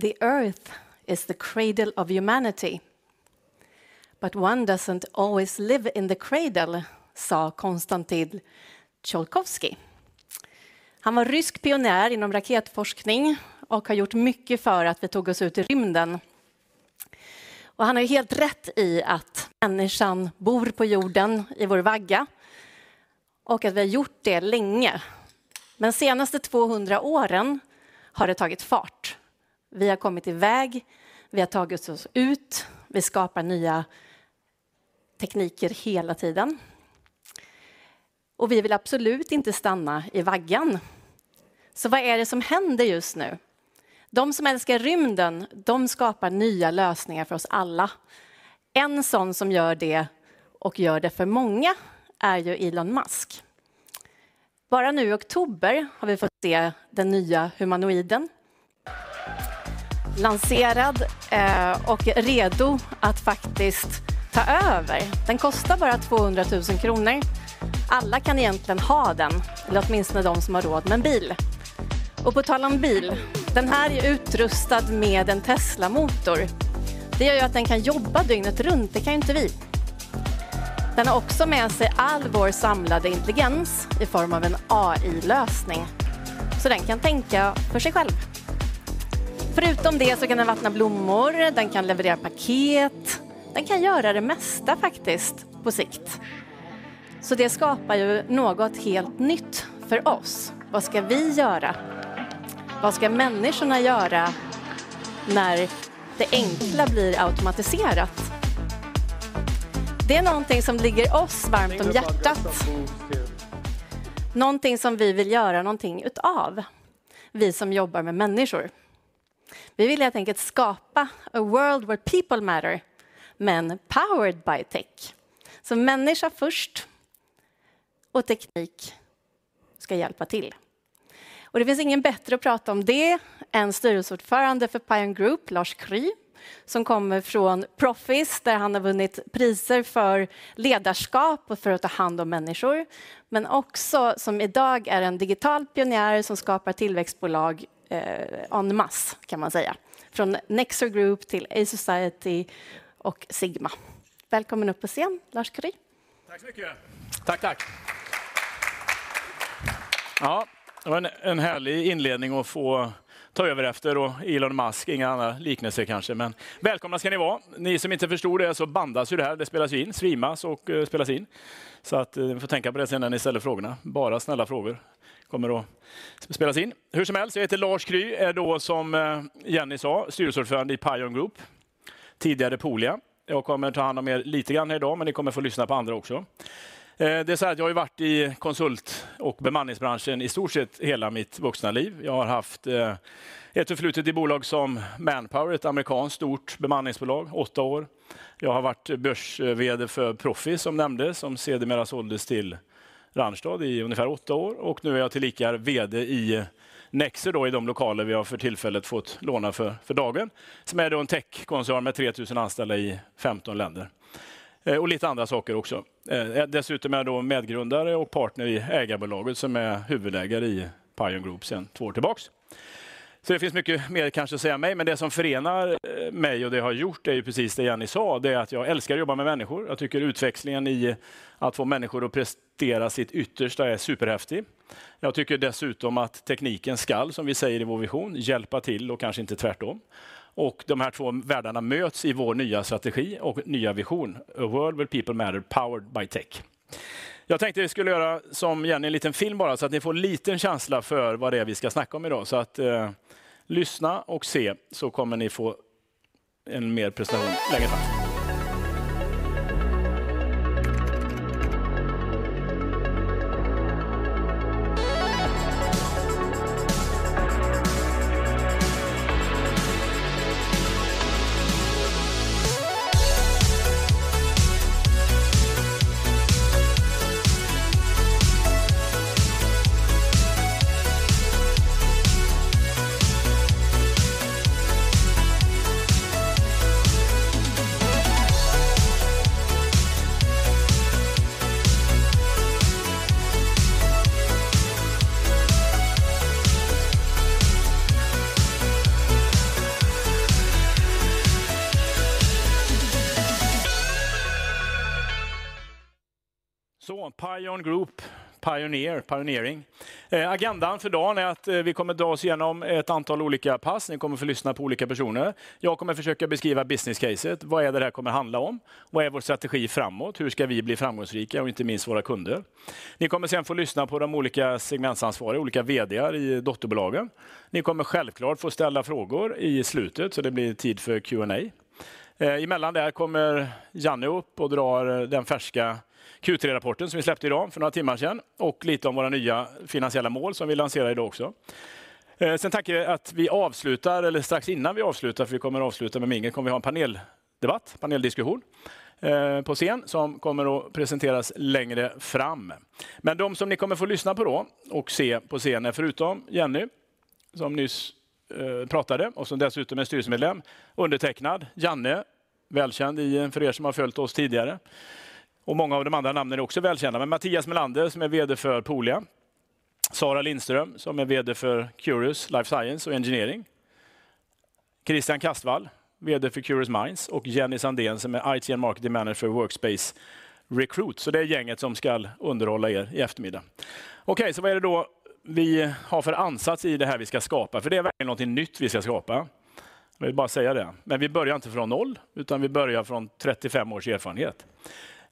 The earth is the cradle of humanity, but one doesn't always live in the cradle", sa Konstantin Tsiolkovsky. Han var rysk pionjär inom raketforskning och har gjort mycket för att vi tog oss ut i rymden. Han har ju helt rätt i att människan bor på jorden i vår vagga och att vi har gjort det länge. Senaste 200 åren har det tagit fart. Vi har kommit i väg, vi har tagit oss ut, vi skapar nya tekniker hela tiden. Vi vill absolut inte stanna i vaggan. Vad är det som händer just nu? De som älskar rymden, de skapar nya lösningar för oss alla. En sådan som gör det och gör det för många är ju Elon Musk. Bara nu i oktober har vi fått se den nya humanoiden. Lanserad och redo att faktiskt ta över. Den kostar bara 200,000 kronor. Alla kan egentligen ha den, eller åtminstone de som har råd med en bil. På tal om bil, den här är utrustad med en Tesla-motor. Det gör ju att den kan jobba dygnet runt, det kan inte vi. Den har också med sig all vår samlade intelligens i form av en AI-lösning. Den kan tänka för sig själv. Förutom det kan den vattna blommor, den kan leverera paket. Den kan göra det mesta faktiskt på sikt. Det skapar ju något helt nytt för oss. Vad ska vi göra? Vad ska människorna göra när det enkla blir automatiserat? Det är någonting som ligger oss varmt om hjärtat. Någonting som vi vill göra någonting utav, vi som jobbar med människor. Vi vill helt enkelt skapa "a world where people matter, but powered by tech". Människa först och teknik ska hjälpa till. Det finns ingen bättre att prata om det än styrelseordförande för PION Group, Lars Kry, som kommer från Proffice, där han har vunnit priser för ledarskap och för att ta hand om människor. Också som i dag är en digital pionjär som skapar tillväxtbolag en masse kan man säga. Från Nexer Group till A Society och Sigma. Välkommen upp på scen, Lars Kry. Tack så mycket. Tack, tack. Ja, det var en härlig inledning att få ta över efter och Elon Musk, inga andra liknelser kanske. Men välkomna ska ni vara. Ni som inte förstår det så bandas ju det här, det spelas ju in, streamas och spelas in. Så att ni får tänka på det sen när ni ställer frågorna. Bara snälla frågor kommer att spelas in. Hur som helst, jag heter Lars Kry, är då som Jenny sa, styrelseordförande i PION Group, tidigare Poolia. Jag kommer ta hand om er lite grann i dag, men ni kommer få lyssna på andra också. Det är såhär, jag har ju varit i konsult- och bemanningsbranschen i stort sett hela mitt vuxna liv. Jag har haft ett förflutet i bolag som Manpower, ett amerikanskt stort bemanningsbolag, 8 år. Jag har varit börs-VD för Proffice som nämndes, som sedermera såldes till Randstad i ungefär 8 år. Nu är jag tillika VD i Nexer då i de lokaler vi har för tillfället fått låna för dagen. Som är då en techkoncern med 3,000 anställda i 15 länder. Lite andra saker också. Dessutom är jag då medgrundare och partner i Ägarbolaget som är huvudägare i Pion Group sedan 2 år tillbaka. Det finns mycket mer kanske att säga mig, men det som förenar mig och det har gjort är ju precis det Jenny sa. Det är att jag älskar att jobba med människor. Jag tycker utväxlingen i att få människor att prestera sitt yttersta är superhäftig. Jag tycker dessutom att tekniken skall, som vi säger i vår vision, hjälpa till och kanske inte tvärtom. De här två världarna möts i vår nya strategi och nya vision: "A world where people matter powered by tech". Jag tänkte vi skulle göra som Jenny en liten film bara så att ni får en liten känsla för vad det är vi ska snacka om i dag. Att lyssna och se så kommer ni få en mer presentation längre fram. PION Group, pioneer, pioneering. Agendan för dagen är att vi kommer dra oss igenom ett antal olika pass. Ni kommer få lyssna på olika personer. Jag kommer försöka beskriva business case. Vad är det det här kommer handla om? Vad är vår strategi framåt? Hur ska vi bli framgångsrika och inte minst våra kunder? Ni kommer sen få lyssna på de olika segmentsansvariga, olika VD i dotterbolagen. Ni kommer självklart få ställa frågor i slutet, så det blir tid för Q&A. Emellan där kommer Janne upp och dra den färska Q3-rapporten som vi släppte i dag för några timmar sen och lite om våra nya finansiella mål som vi lanserar i dag också. Tänker jag att vi avslutar eller strax innan vi avslutar, för vi kommer avsluta med mingel, kommer vi ha en paneldebatt, paneldiskussion, på scen som kommer att presenteras längre fram. De som ni kommer få lyssna på då och se på scen är förutom Jenny som nyss pratade och som dessutom är styrelsemedlem, undertecknad, Janne, välkänd för er som har följt oss tidigare. Många av de andra namnen är också välkända. Mattias Melander som är VD för Poolia. Sara Lindström som är VD för QRIOS Life Science och Engineering. Christian Kastwall, VD för QRIOS Minds och Jenny Sandén som är IT and Marketing Manager Workspace Recruit. Det är gänget som ska underhålla er i eftermiddag. Okej, vad är det då vi har för ansats i det här vi ska skapa? För det är verkligen någonting nytt vi ska skapa. Jag vill bara säga det. Vi börjar inte från noll utan vi börjar från 35 års erfarenhet.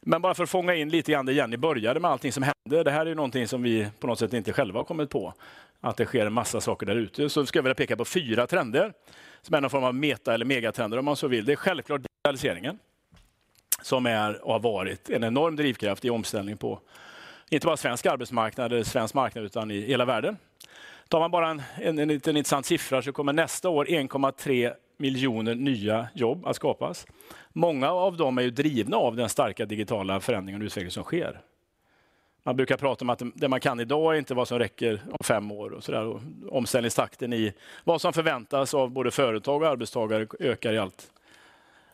Bara för att fånga in lite grann det Jenny började med allting som hände. Det här är någonting som vi på något sätt inte själva har kommit på att det sker en massa saker där ute. Skulle jag vilja peka på 4 trender som är någon form av meta eller megatrender om man så vill. Det är självklart digitaliseringen som är och har varit en enorm drivkraft i omställning på inte bara svensk arbetsmarknad, svensk marknad, utan i hela världen. Tar man bara en liten intressant siffra så kommer nästa år att komma 3 miljoner nya jobb att skapas. Många av dem är ju drivna av den starka digitala förändringen och utvecklingen som sker. Man brukar prata om att det man kan i dag är inte vad som räcker om 5 år och sådär. Omställningstakten i vad som förväntas av både företag och arbetstagare ökar i allt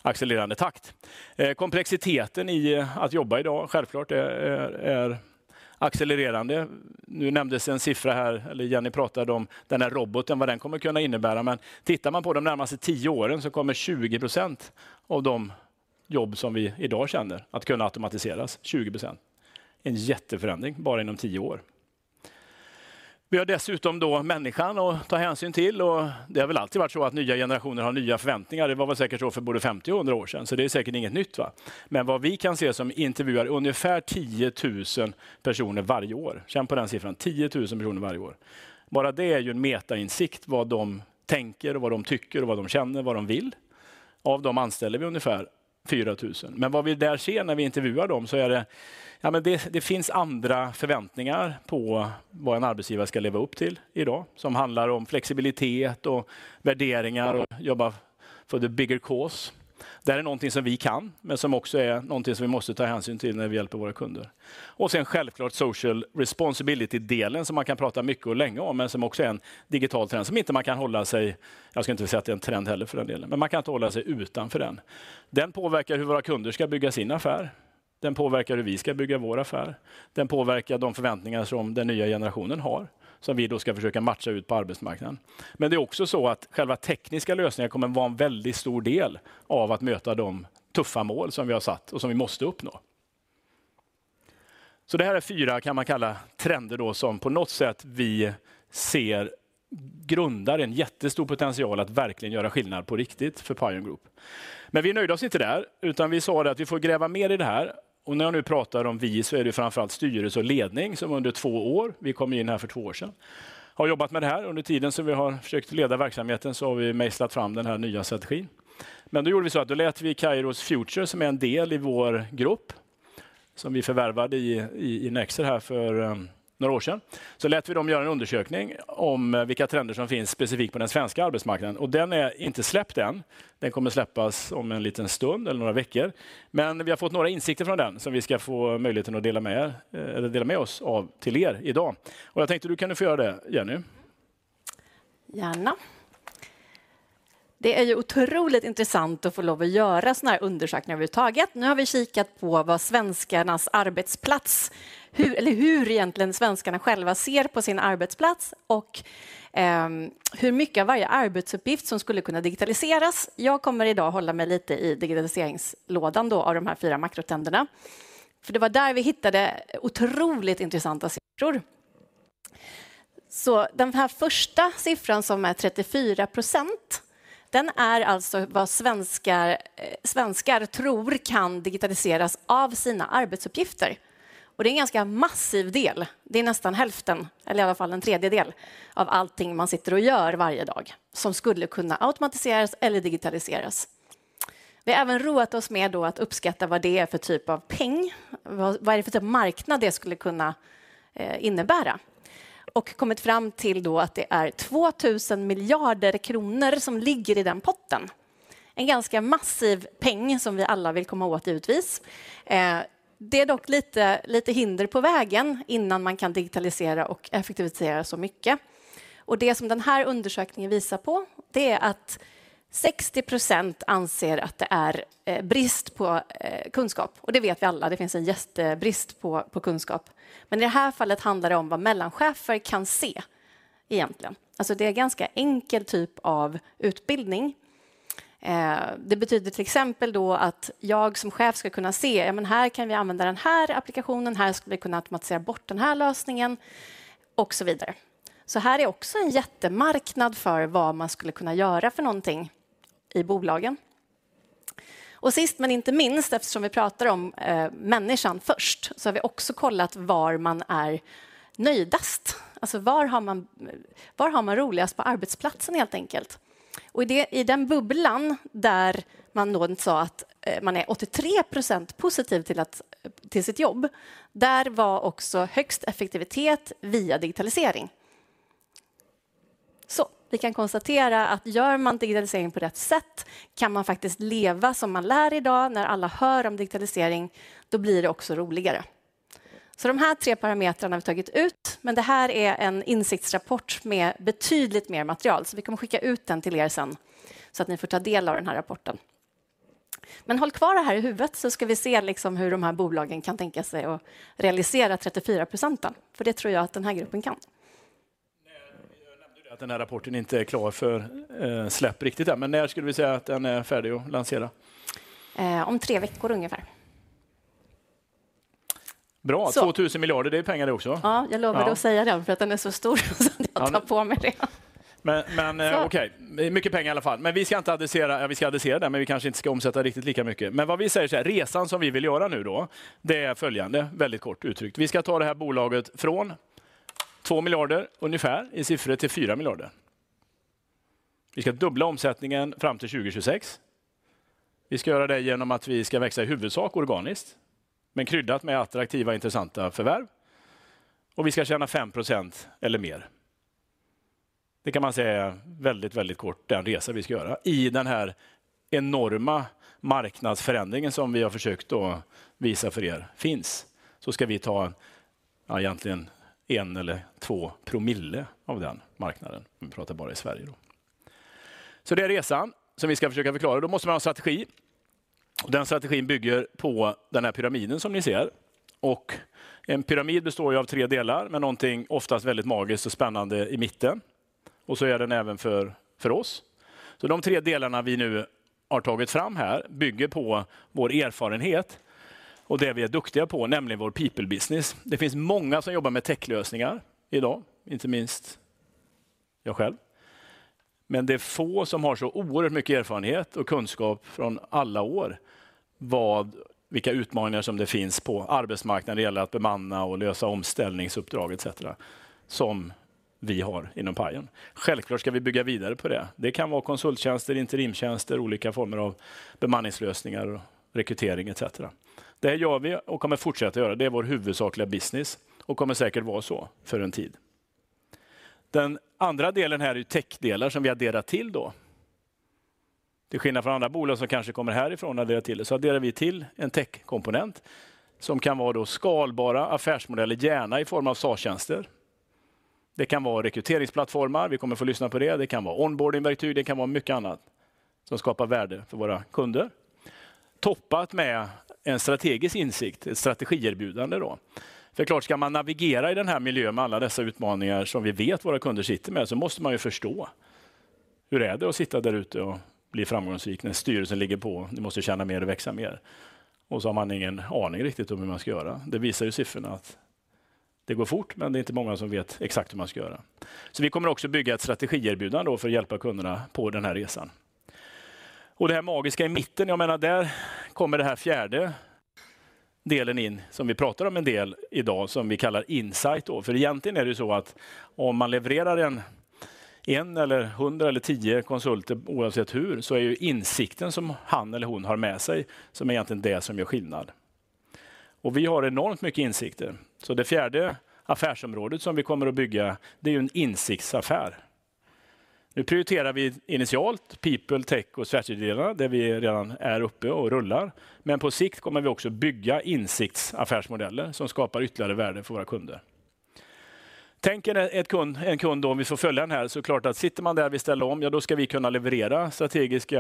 accelererande takt. Komplexiteten i att jobba i dag, självklart, är accelererande. Nu nämndes en siffra här, eller Jenny pratade om den här roboten, vad den kommer kunna innebära. Tittar man på de närmaste 10 åren så kommer 20% av de jobb som vi i dag känner till som kan automatiseras. 20%. En jätteförändring bara inom 10 år. Vi har dessutom då människan att ta hänsyn till och det har väl alltid varit så att nya generationer har nya förväntningar. Det var väl säkert så för både 50 och 100 år sedan. Det är säkert inget nytt va. Men vad vi kan se som intervjuar ungefär 10,000 personer varje år. Känn på den siffran, 10,000 personer varje år. Bara det är ju en metainsikt, vad de tänker och vad de tycker och vad de känner, vad de vill. Av de anställer vi ungefär 4,000. Men vad vi där ser när vi intervjuar dem så är det det finns andra förväntningar på vad en arbetsgivare ska leva upp till i dag. Som handlar om flexibilitet och värderingar och jobba för the bigger cause. Det här är någonting som vi kan, men som också är någonting som vi måste ta hänsyn till när vi hjälper våra kunder. Sen självklart social responsibility-delen som man kan prata mycket och länge om, men som också är en digital trend som inte man kan hålla sig, jag ska inte säga att det är en trend heller för den delen, men man kan inte hålla sig utanför den. Den påverkar hur våra kunder ska bygga sin affär. Den påverkar hur vi ska bygga vår affär. Den påverkar de förväntningar som den nya generationen har, som vi då ska försöka matcha ut på arbetsmarknaden. Men det är också så att själva tekniska lösningar kommer att vara en väldigt stor del av att möta de tuffa mål som vi har satt och som vi måste uppnå. Så det här är fyra kan man kalla trender då som på något sätt vi ser grundar en jättestor potential att verkligen göra skillnad på riktigt för PION Group. Vi nöjde oss inte där, utan vi sa det att vi får gräva mer i det här. När jag nu pratar om vi så är det framför allt styrelse och ledning som under 2 år, vi kom in här för 2 år sedan, har jobbat med det här. Under tiden som vi har försökt leda verksamheten så har vi mejslat fram den här nya strategin. Då gjorde vi så att då lät vi Kairos Future, som är en del i vår grupp, som vi förvärvade i Nexer här för några år sedan. Lät vi dem göra en undersökning om vilka trender som finns specifikt på den svenska arbetsmarknaden. Den är inte släppt än. Den kommer släppas om en liten stund eller några veckor. Vi har fått några insikter från den som vi ska få möjligheten att dela med er, eller dela med oss av till er i dag. Jag tänkte du kan få göra det, Jenny. Gärna. Det är ju otroligt intressant att få lov att göra sådana här undersökningar överhuvudtaget. Nu har vi kikat på vad svenskarnas arbetsplats, eller hur egentligen svenskarna själva ser på sin arbetsplats och hur mycket av varje arbetsuppgift som skulle kunna digitaliseras. Jag kommer i dag hålla mig lite i digitaliseringslådan då av de här fyra makrotrenderna. För det var där vi hittade otroligt intressanta siffror. Så den här första siffran som är 34%, den är alltså vad svenskar tror kan digitaliseras av sina arbetsuppgifter. Det är en ganska massiv del. Det är nästan hälften eller i alla fall en tredjedel av allting man sitter och gör varje dag som skulle kunna automatiseras eller digitaliseras. Vi har även roat oss med då att uppskatta vad det är för typ av peng, vad är det för typ av marknad det skulle kunna innebära. Kommit fram till då att det är 2,000 miljarder kronor som ligger i den potten. En ganska massiv peng som vi alla vill komma åt givetvis. Det är dock lite hinder på vägen innan man kan digitalisera och effektivisera så mycket. Det som den här undersökningen visar på, det är att 60% anser att det är brist på kunskap. Det vet vi alla, det finns en jättebrist på kunskap. I det här fallet handlar det om vad mellanchefer kan se egentligen. Alltså, det är ganska enkel typ av utbildning. Det betyder till exempel då att jag som chef ska kunna se, ja men här kan vi använda den här applikationen, här skulle vi kunna automatisera bort den här lösningen och så vidare. Här är också en jättemarknad för vad man skulle kunna göra för någonting i bolagen. Sist men inte minst, eftersom vi pratar om människan först, så har vi också kollat var man är nöjdast. Alltså, var har man roligast på arbetsplatsen helt enkelt. I den bubblan där man då sa att man är 83% positiv till sitt jobb, där var också högst effektivitet via digitalisering. Vi kan konstatera att gör man digitalisering på rätt sätt kan man faktiskt leva som man lär i dag när alla hör om digitalisering, då blir det också roligare. De här tre parametrarna har vi tagit ut, men det här är en insiktsrapport med betydligt mer material. Vi kommer skicka ut den till er sen så att ni får ta del av den här rapporten. Håll kvar det här i huvudet så ska vi se liksom hur de här bolagen kan tänka sig att realisera 34%. För det tror jag att den här gruppen kan. Jag nämnde det att den här rapporten inte är klar för släpp riktigt än. När skulle vi säga att den är färdig att lansera? Om tre veckor ungefär. Bra, 2,000 miljarder, det är pengar det också. Ja, jag lovade att säga den för att den är så stor att jag tar på mig det. Okej, mycket pengar i alla fall. Vi ska adressera den, men vi kanske inte ska omsätta riktigt lika mycket. Vad vi säger så här, resan som vi vill göra nu då, det är följande väldigt kort uttryckt. Vi ska ta det här bolaget från 2 miljarder ungefär i siffror till 4 miljarder. Vi ska dubbla omsättningen fram till 2026. Vi ska göra det genom att vi ska växa i huvudsak organiskt, men kryddat med attraktiva intressanta förvärv. Vi ska tjäna 5% eller mer. Det kan man säga väldigt kort den resa vi ska göra. I den här enorma marknadsförändringen som vi har försökt att visa för er finns. Vi ska ta egentligen 1 eller 2 promille av den marknaden. Vi pratar bara i Sverige då. Det är resan som vi ska försöka förklara. Då måste man ha strategi. Den strategin bygger på den här pyramiden som ni ser. En pyramid består ju av tre delar med någonting oftast väldigt magiskt och spännande i mitten. Den är även för oss. De tre delarna vi nu har tagit fram här bygger på vår erfarenhet och det vi är duktiga på, nämligen vår people business. Det finns många som jobbar med techlösningar i dag, inte minst jag själv. Men det är få som har så oerhört mycket erfarenhet och kunskap från alla år. Vilka utmaningar som det finns på arbetsmarknaden när det gäller att bemanna och lösa omställningsuppdrag etcetera, som vi har inom PIONen. Självklart ska vi bygga vidare på det. Det kan vara konsulttjänster, interimtjänster, olika former av bemanningslösningar, rekrytering etcetera. Det gör vi och kommer fortsätta att göra. Det är vår huvudsakliga business och kommer säkert vara så för en tid. Den andra delen här är techdelar som vi adderar till då. Till skillnad från andra bolag som kanske kommer härifrån och adderar till det, så adderar vi till en techkomponent som kan vara då skalbara affärsmodeller, gärna i form av SaaS-tjänster. Det kan vara rekryteringsplattformar, vi kommer att få lyssna på det. Det kan vara onboardingsverktyg, det kan vara mycket annat som skapar värde för våra kunder. Toppat med en strategisk insikt, ett strategierbjudande då. Det är klart, ska man navigera i den här miljön med alla dessa utmaningar som vi vet våra kunder sitter med, så måste man ju förstå hur är det att sitta där ute och bli framgångsrik när styrelsen ligger på, ni måste tjäna mer och växa mer. Så har man ingen aning riktigt om hur man ska göra. Det visar ju siffrorna att det går fort, men det är inte många som vet exakt hur man ska göra. Vi kommer också bygga ett strategierbjudande för att hjälpa kunderna på den här resan. Det här magiska i mitten, jag menar, där kommer den här fjärde delen in som vi pratar om en del i dag som vi kallar insight då. För egentligen är det ju så att om man levererar 1 eller 100 eller 10 konsulter, oavsett hur, så är ju insikten som han eller hon har med sig som är egentligen det som gör skillnad. Vi har enormt mycket insikter. Det fjärde affärsområdet som vi kommer att bygga, det är ju en insiktsaffär. Nu prioriterar vi initialt people, tech och strategy-delar, där vi redan är uppe och rullar. På sikt kommer vi också bygga insiktsaffärsmodeller som skapar ytterligare värde för våra kunder. En kund då, om vi får följa den här, så klart att sitter man där vi ställer om. Ja då ska vi kunna leverera strategiska,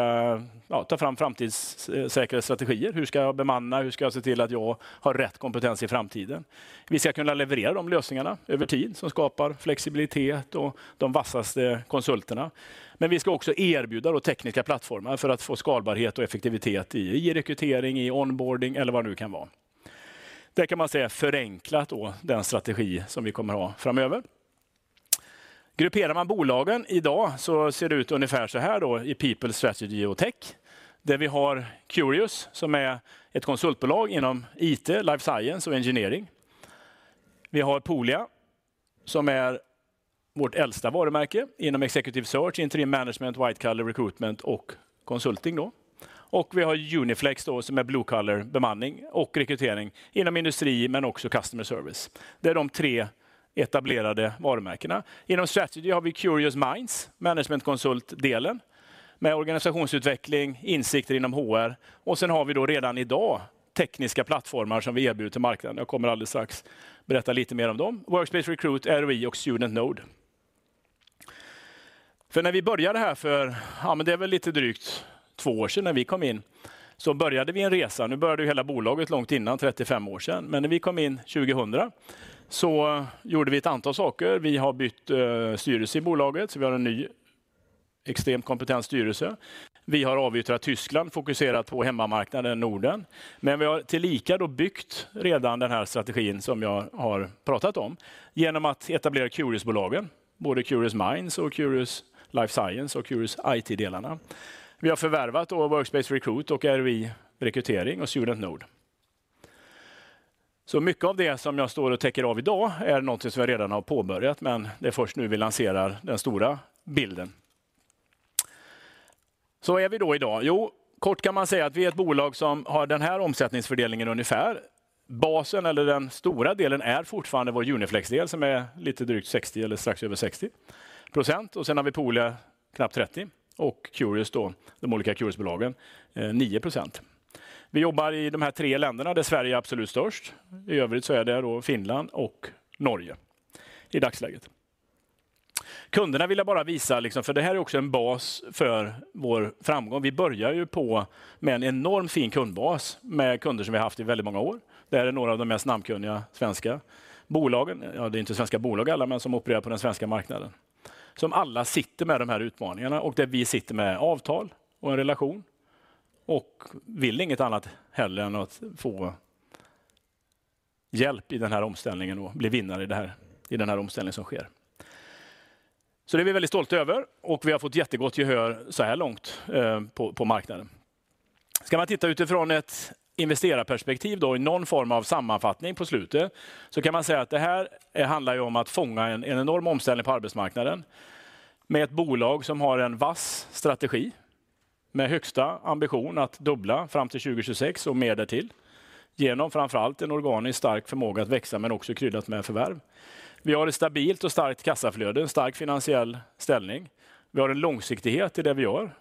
ja ta fram framtidssäkra strategier. Hur ska jag bemanna? Hur ska jag se till att jag har rätt kompetens i framtiden? Vi ska kunna leverera de lösningarna över tid som skapar flexibilitet och de vassaste konsulterna. Men vi ska också erbjuda tekniska plattformar för att få skalbarhet och effektivitet i rekrytering, i onboarding eller vad det nu kan vara. Det kan man säga förenklat den strategi som vi kommer att ha framöver. Grupperar man bolagen i dag så ser det ut ungefär så här i people, strategy och tech. Där vi har QRIOS som är ett konsultbolag inom IT, life science och engineering. Vi har Poolia som är vårt äldsta varumärke inom executive search, interim management, white collar recruitment och consulting. Vi har Uniflex då som är blue collar bemanning och rekrytering inom industri men också customer service. Det är de tre etablerade varumärkena. Inom strategy har vi QRIOS Minds, management konsultdelen med organisationsutveckling, insikter inom HR. Sen har vi då redan i dag tekniska plattformar som vi erbjuder till marknaden. Jag kommer alldeles strax berätta lite mer om dem. Workspace Recruit, Roi och Student Node. För när vi började här för, det är väl lite drygt 2 år sedan när vi kom in, så började vi en resa. Nu började ju hela bolaget långt innan 35 år sedan. När vi kom in 2000 så gjorde vi ett antal saker. Vi har bytt styrelse i bolaget, så vi har en ny extremt kompetent styrelse. Vi har avyttrat Tyskland, fokuserat på hemmamarknaden Norden. Vi har tillika då byggt redan den här strategin som jag har pratat om. Genom att etablera QRIOS-bolagen, både QRIOS Minds och QRIOS Life Science och QRIOS IT-delarna. Vi har förvärvat då Workspace Recruit och Roi Rekrytering och Student Node. Mycket av det som jag står och tickar av i dag är någonting som vi redan har påbörjat, men det är först nu vi lanserar den stora bilden. Var är vi då i dag? Jo, kort kan man säga att vi är ett bolag som har den här omsättningsfördelningen ungefär. Basen eller den stora delen är fortfarande vår Uniflex-del som är lite drygt 60 eller strax över 60%. Sen har vi Poolia knappt 30 och QRIOS då, de olika QRIOS-bolagen, 9%. Vi jobbar i de här tre länderna där Sverige är absolut störst. I övrigt så är det Finland och Norge i dagsläget. Kunderna vill jag bara visa liksom, för det här är också en bas för vår framgång. Vi börjar ju på med en enorm fin kundbas med kunder som vi haft i väldigt många år. Det här är några av de mest namnkunniga svenska bolagen. Ja, det är inte svenska bolag alla, men som opererar på den svenska marknaden. Som alla sitter med de här utmaningarna och där vi sitter med avtal och en relation och vill inget annat heller än att få hjälp i den här omställningen och bli vinnare i det här, i den här omställningen som sker. Det är vi väldigt stolta över och vi har fått jättegott gehör så här långt på marknaden. Ska man titta utifrån ett investerarperspektiv då i någon form av sammanfattning på slutet, så kan man säga att det här handlar ju om att fånga en enorm omställning på arbetsmarknaden med ett bolag som har en vass strategi med högsta ambition att dubbla fram till 2026 och mer därtill. Genom framför allt en organisk stark förmåga att växa men också kryddat med förvärv. Vi har ett stabilt och starkt kassaflöde, en stark finansiell ställning. Vi har en långsiktighet i det vi gör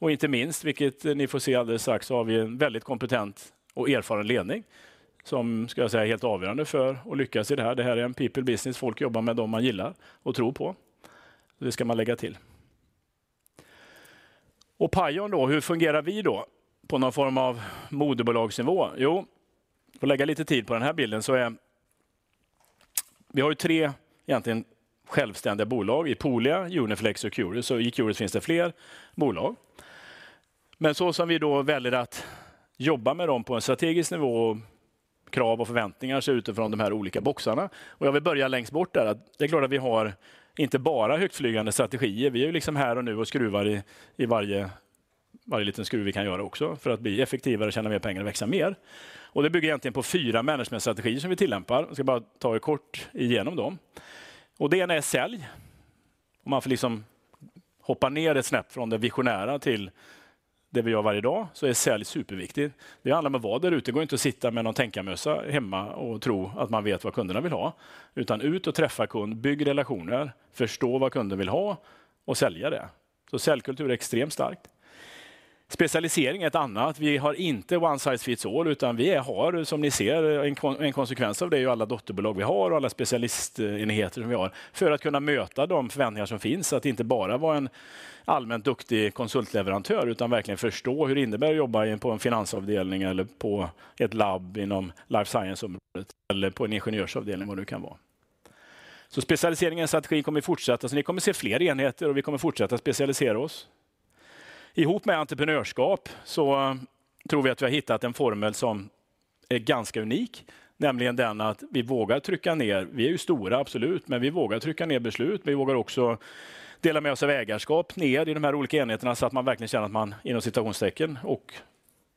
och inte minst, vilket ni får se alldeles strax, har vi en väldigt kompetent och erfaren ledning som ska jag säga är helt avgörande för att lyckas i det här. Det här är en people business. Folk jobbar med dem man gillar och tror på. Det ska man lägga till. Pion då, hur fungerar vi då på någon form av moderbolagsnivå? Jo, för att lägga lite tid på den här bilden så är vi har ju tre egentligen självständiga bolag i Poolia, Uniflex och QRIOS. I QRIOS finns det fler bolag. Men så som vi då väljer att jobba med dem på en strategisk nivå, krav och förväntningar ser utifrån de här olika boxarna. Jag vill börja längst bort där. Det är klart att vi har inte bara högtflygande strategier. Vi är liksom här och nu och skruvar i varje liten skruv vi kan göra också för att bli effektivare, tjäna mer pengar och växa mer. Det bygger egentligen på fyra managementstrategier som vi tillämpar. Jag ska bara ta er kort igenom dem. Det ena är sälj. Om man får liksom hoppa ner ett snäpp från det visionära till det vi gör varje dag så är sälj superviktigt. Det handlar om att vara där ute. Det går inte att sitta med någon tänkemössa hemma och tro att man vet vad kunderna vill ha, utan ut och träffa kund, bygg relationer, förstå vad kunden vill ha och sälja det. Säljkultur är extremt starkt. Specialisering är ett annat. Vi har inte one size fits all, utan vi har, som ni ser, en konsekvens av det är ju alla dotterbolag vi har och alla specialistenheter som vi har för att kunna möta de förväntningar som finns. Att inte bara vara en allmänt duktig konsultleverantör, utan verkligen förstå hur det innebär att jobba på en finansavdelning eller på ett labb inom life science-området eller på en ingenjörsavdelning, vad det nu kan vara. Specialiseringen i strategin kommer att fortsätta. Ni kommer att se fler enheter och vi kommer att fortsätta specialisera oss. Ihop med entreprenörskap så tror vi att vi har hittat en formel som är ganska unik, nämligen den att vi vågar trycka ner. Vi är ju stora, absolut, men vi vågar trycka ner beslut. Vi vågar också dela med oss av ägarskap ner i de här olika enheterna så att man verkligen känner att man inom citationstecken och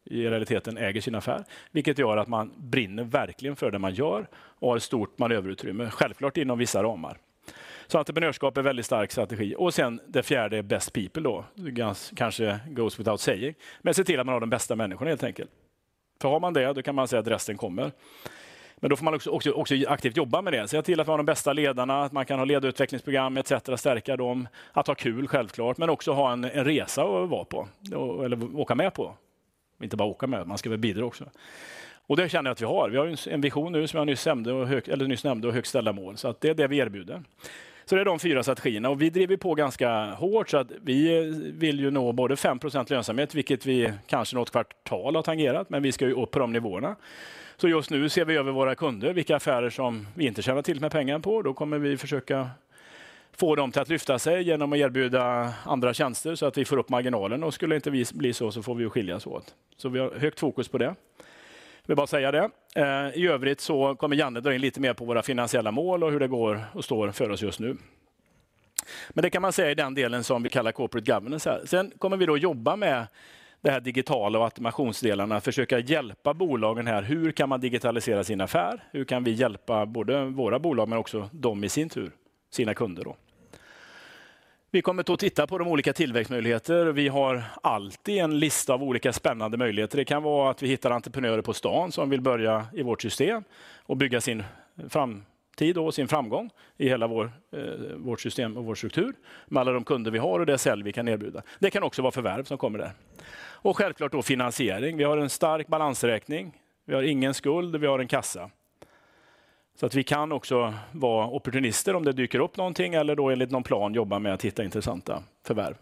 i realiteten äger sin affär, vilket gör att man brinner verkligen för det man gör och har ett stort manöverutrymme, självklart inom vissa ramar. Så entreprenörskap är väldigt stark strategi och sen det fjärde, best people då, kanske goes without saying. Men se till att man har de bästa människorna helt enkelt. För har man det, då kan man säga att resten kommer. Men då får man också aktivt jobba med det. Se till att vi har de bästa ledarna, att man kan ha ledarutvecklingsprogram et cetera, stärka dem. Att ha kul självklart, men också ha en resa att vara på eller åka med på. Inte bara åka med, man ska väl bidra också. Det känner jag att vi har. Vi har en vision nu som jag nyss nämnde och högt ställda mål. Att det är det vi erbjuder. Det är de fyra strategierna och vi driver på ganska hårt så att vi vill ju nå både 5% lönsamhet, vilket vi kanske något kvartal har tangerat, men vi ska ju upp på de nivåerna. Just nu ser vi över våra kunder, vilka affärer som vi inte tjänar tillräckligt med pengar på. Vi kommer försöka få dem till att lyfta sig genom att erbjuda andra tjänster så att vi får upp marginalen. Skulle inte vi bli så får vi ju skiljas åt. Vi har högt fokus på det. Vill bara säga det. I övrigt kommer Janne dra in lite mer på våra finansiella mål och hur det går och står för oss just nu. Det kan man säga i den delen som vi kallar corporate governance här. Vi kommer då att jobba med det här digitala och automationsdelarna, försöka hjälpa bolagen här. Hur kan man digitalisera sin affär? Hur kan vi hjälpa både våra bolag men också de i sin tur, sina kunder då? Vi kommer att titta på de olika tillväxtmöjligheter. Vi har alltid en lista av olika spännande möjligheter. Det kan vara att vi hittar entreprenörer på stan som vill börja i vårt system och bygga sin framtid och sin framgång i hela vårt system och vår struktur med alla de kunder vi har och det sälj vi kan erbjuda. Det kan också vara förvärv som kommer där. Och självklart då finansiering. Vi har en stark balansräkning, vi har ingen skuld, vi har en kassa. Så att vi kan också vara opportunister om det dyker upp någonting eller då enligt någon plan jobba med att hitta intressanta förvärv.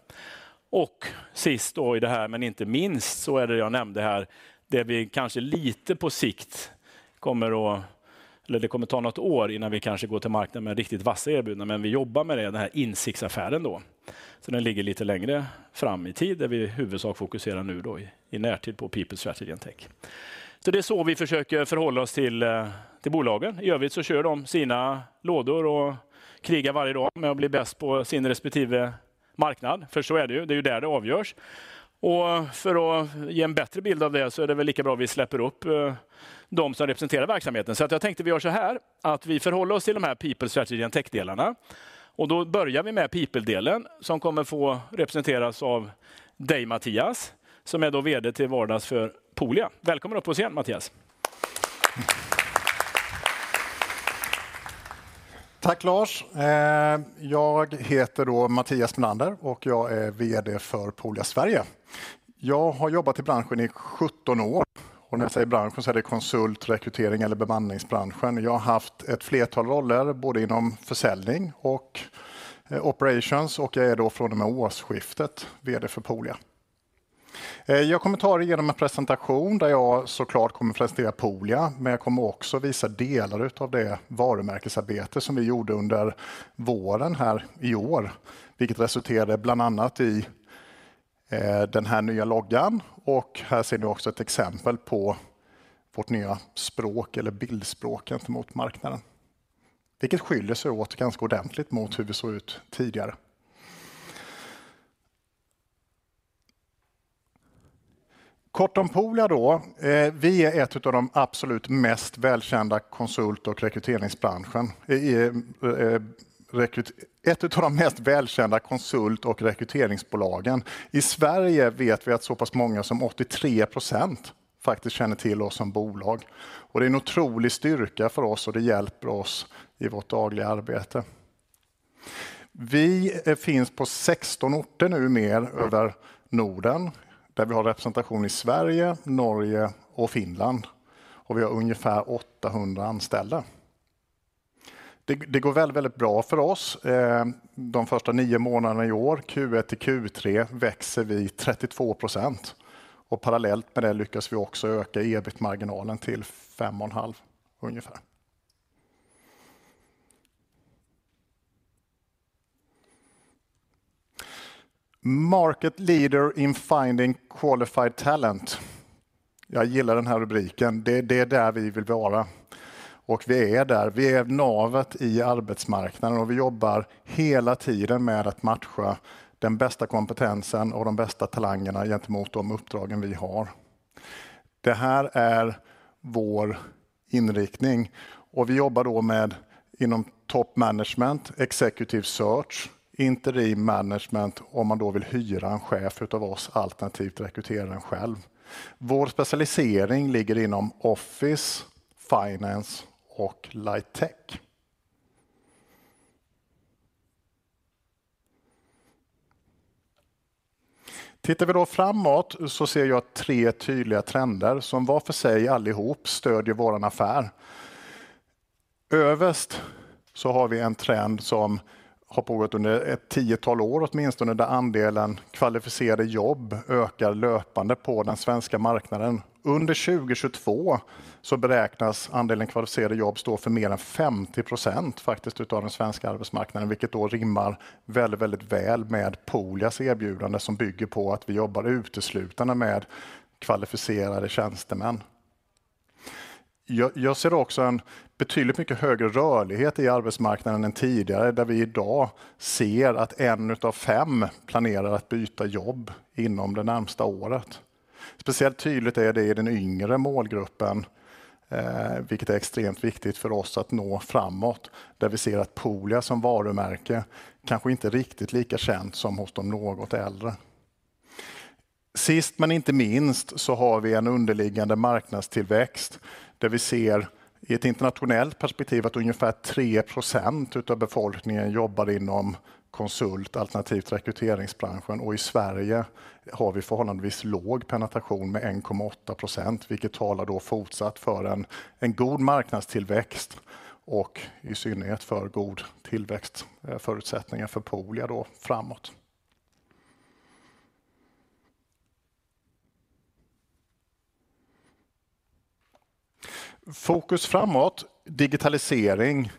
Sist då i det här, men inte minst, så är det jag nämnde här, det vi kanske lite på sikt kommer att, eller det kommer att ta något år innan vi kanske går till marknaden med riktigt vassa erbjudanden. Men vi jobbar med det, den här insiktsaffären då. Så den ligger lite längre fram i tid där vi i huvudsak fokuserar nu då i närtid på people, strategy and tech. Så det är så vi försöker förhålla oss till bolagen. I övrigt så kör de sina lådor och krigar varje dag med att bli bäst på sin respektive marknad. För så är det ju, det är ju där det avgörs. För att ge en bättre bild av det så är det väl lika bra att vi släpper upp de som representerar verksamheten. Jag tänkte vi gör såhär, att vi förhåller oss till de här people, strategy and tech-delarna. Då börjar vi med people-delen som kommer att få representeras av dig, Mattias, som är då VD till vardags för Poolia. Välkommen upp på scen, Mattias. Tack Lars. Jag heter då Mattias Melander och jag är VD för Poolia Sverige. Jag har jobbat i branschen i 17 år och när jag säger branschen så är det konsult, rekrytering eller bemanningsbranschen. Jag har haft ett flertal roller, både inom försäljning och operations och jag är då från och med årsskiftet VD för Poolia. Jag kommer ta er igenom en presentation där jag så klart kommer presentera Poolia, men jag kommer också visa delar utav det varumärkesarbete som vi gjorde under våren här i år, vilket resulterade bland annat i den här nya loggan. Här ser ni också ett exempel på vårt nya språk eller bildspråk gentemot marknaden, vilket skiljer sig åt ganska ordentligt mot hur vi såg ut tidigare. Kort om Poolia då. Vi är ett utav de absolut mest välkända konsult- och rekryteringsbranschen i rekryt... Ett utav de mest välkända konsult- och rekryteringsbolagen. I Sverige vet vi att så pass många som 83% faktiskt känner till oss som bolag. Det är en otrolig styrka för oss och det hjälper oss i vårt dagliga arbete. Vi finns på 16 orter numer över Norden, där vi har representation i Sverige, Norge och Finland. Vi har ungefär 800 anställda. Det går väldigt bra för oss. De första 9 månaderna i år, Q1 till Q3, växer vi 32% och parallellt med det lyckas vi också öka EBIT-marginalen till 5.5 ungefär. Market leader in finding qualified talent. Jag gillar den här rubriken. Det är där vi vill vara och vi är där. Vi är navet i arbetsmarknaden och vi jobbar hela tiden med att matcha den bästa kompetensen och de bästa talangerna gentemot de uppdragen vi har. Det här är vår inriktning och vi jobbar då med inom top management, executive search, interim management, om man då vill hyra en chef av oss, alternativt rekrytera den själv. Vår specialisering ligger inom office, finance och light tech. Tittar vi då framåt så ser jag tre tydliga trender som var för sig allihop stödjer vår affär. Överst så har vi en trend som har pågått under ett tiotal år, åtminstone där andelen kvalificerade jobb ökar löpande på den svenska marknaden. Under 2022 så beräknas andelen kvalificerade jobb stå för mer än 50% faktiskt av den svenska arbetsmarknaden, vilket då rimmar väldigt väl med Poolias erbjudande som bygger på att vi jobbar uteslutande med kvalificerade tjänstemän. Jag ser också en betydligt mycket högre rörlighet i arbetsmarknaden än tidigare, där vi i dag ser att en av fem planerar att byta jobb inom det närmaste året. Speciellt tydligt är det i den yngre målgruppen, vilket är extremt viktigt för oss att nå framåt, där vi ser att Poolia som varumärke kanske inte är riktigt lika känt som hos de något äldre. Sist men inte minst så har vi en underliggande marknadstillväxt, där vi ser i ett internationellt perspektiv att ungefär 3% utav befolkningen jobbar inom konsult, alternativt rekryteringsbranschen. I Sverige har vi förhållandevis låg penetration med 1.8%, vilket talar då fortsatt för en god marknadstillväxt och i synnerhet för god tillväxtförutsättningar för Poolia då framåt. Fokus framåt, digitalisering.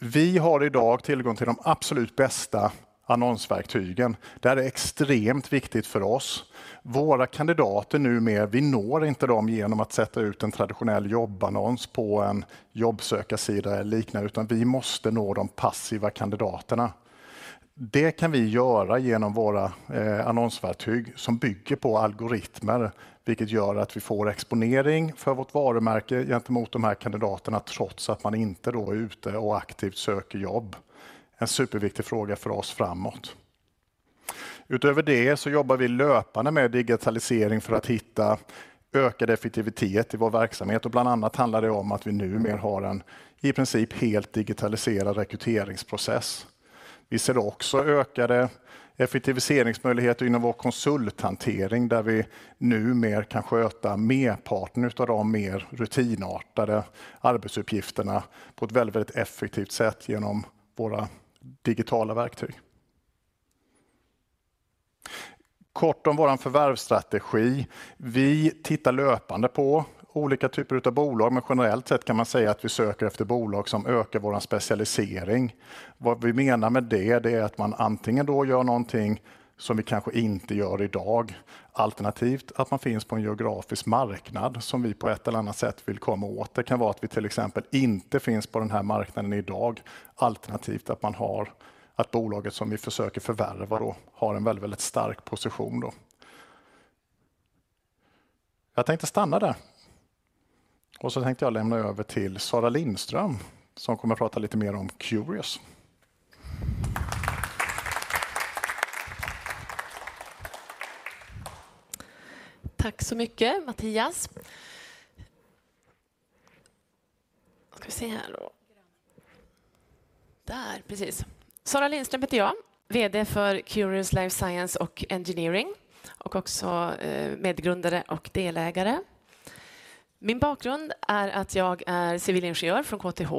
Vi har i dag tillgång till de absolut bästa annonsverktygen. Det här är extremt viktigt för oss. Våra kandidater numer, vi når inte dem genom att sätta ut en traditionell jobbannons på en jobbsökarsida eller liknande, utan vi måste nå de passiva kandidaterna. Det kan vi göra genom våra annonsverktyg som bygger på algoritmer, vilket gör att vi får exponering för vårt varumärke gentemot de här kandidaterna, trots att man inte då är ute och aktivt söker jobb. En superviktig fråga för oss framåt. Utöver det så jobbar vi löpande med digitalisering för att hitta ökad effektivitet i vår verksamhet. Bland annat handlar det om att vi numera har en i princip helt digitaliserad rekryteringsprocess. Vi ser också ökade effektiviseringsmöjligheter inom vår konsulthantering, där vi numera kan sköta merparten utav de mer rutinartade arbetsuppgifterna på ett väldigt effektivt sätt genom våra digitala verktyg. Kort om vår förvärvsstrategi. Vi tittar löpande på olika typer utav bolag, men generellt sett kan man säga att vi söker efter bolag som ökar vår specialisering. Vad vi menar med det är att man antingen då gör något som vi kanske inte gör i dag, alternativt att man finns på en geografisk marknad som vi på ett eller annat sätt vill komma åt. Det kan vara att vi till exempel inte finns på den här marknaden i dag, alternativt att bolaget som vi försöker förvärva då har en väldigt stark position då. Jag tänkte stanna där. Tänkte jag lämna över till Sara Lindström som kommer prata lite mer om QRIOS. Tack så mycket, Mattias. Får vi se här då. Där, precis. Sara Lindström heter jag, VD för QRIOS Life Science och Engineering och också medgrundare och delägare. Min bakgrund är att jag är civilingenjör från KTH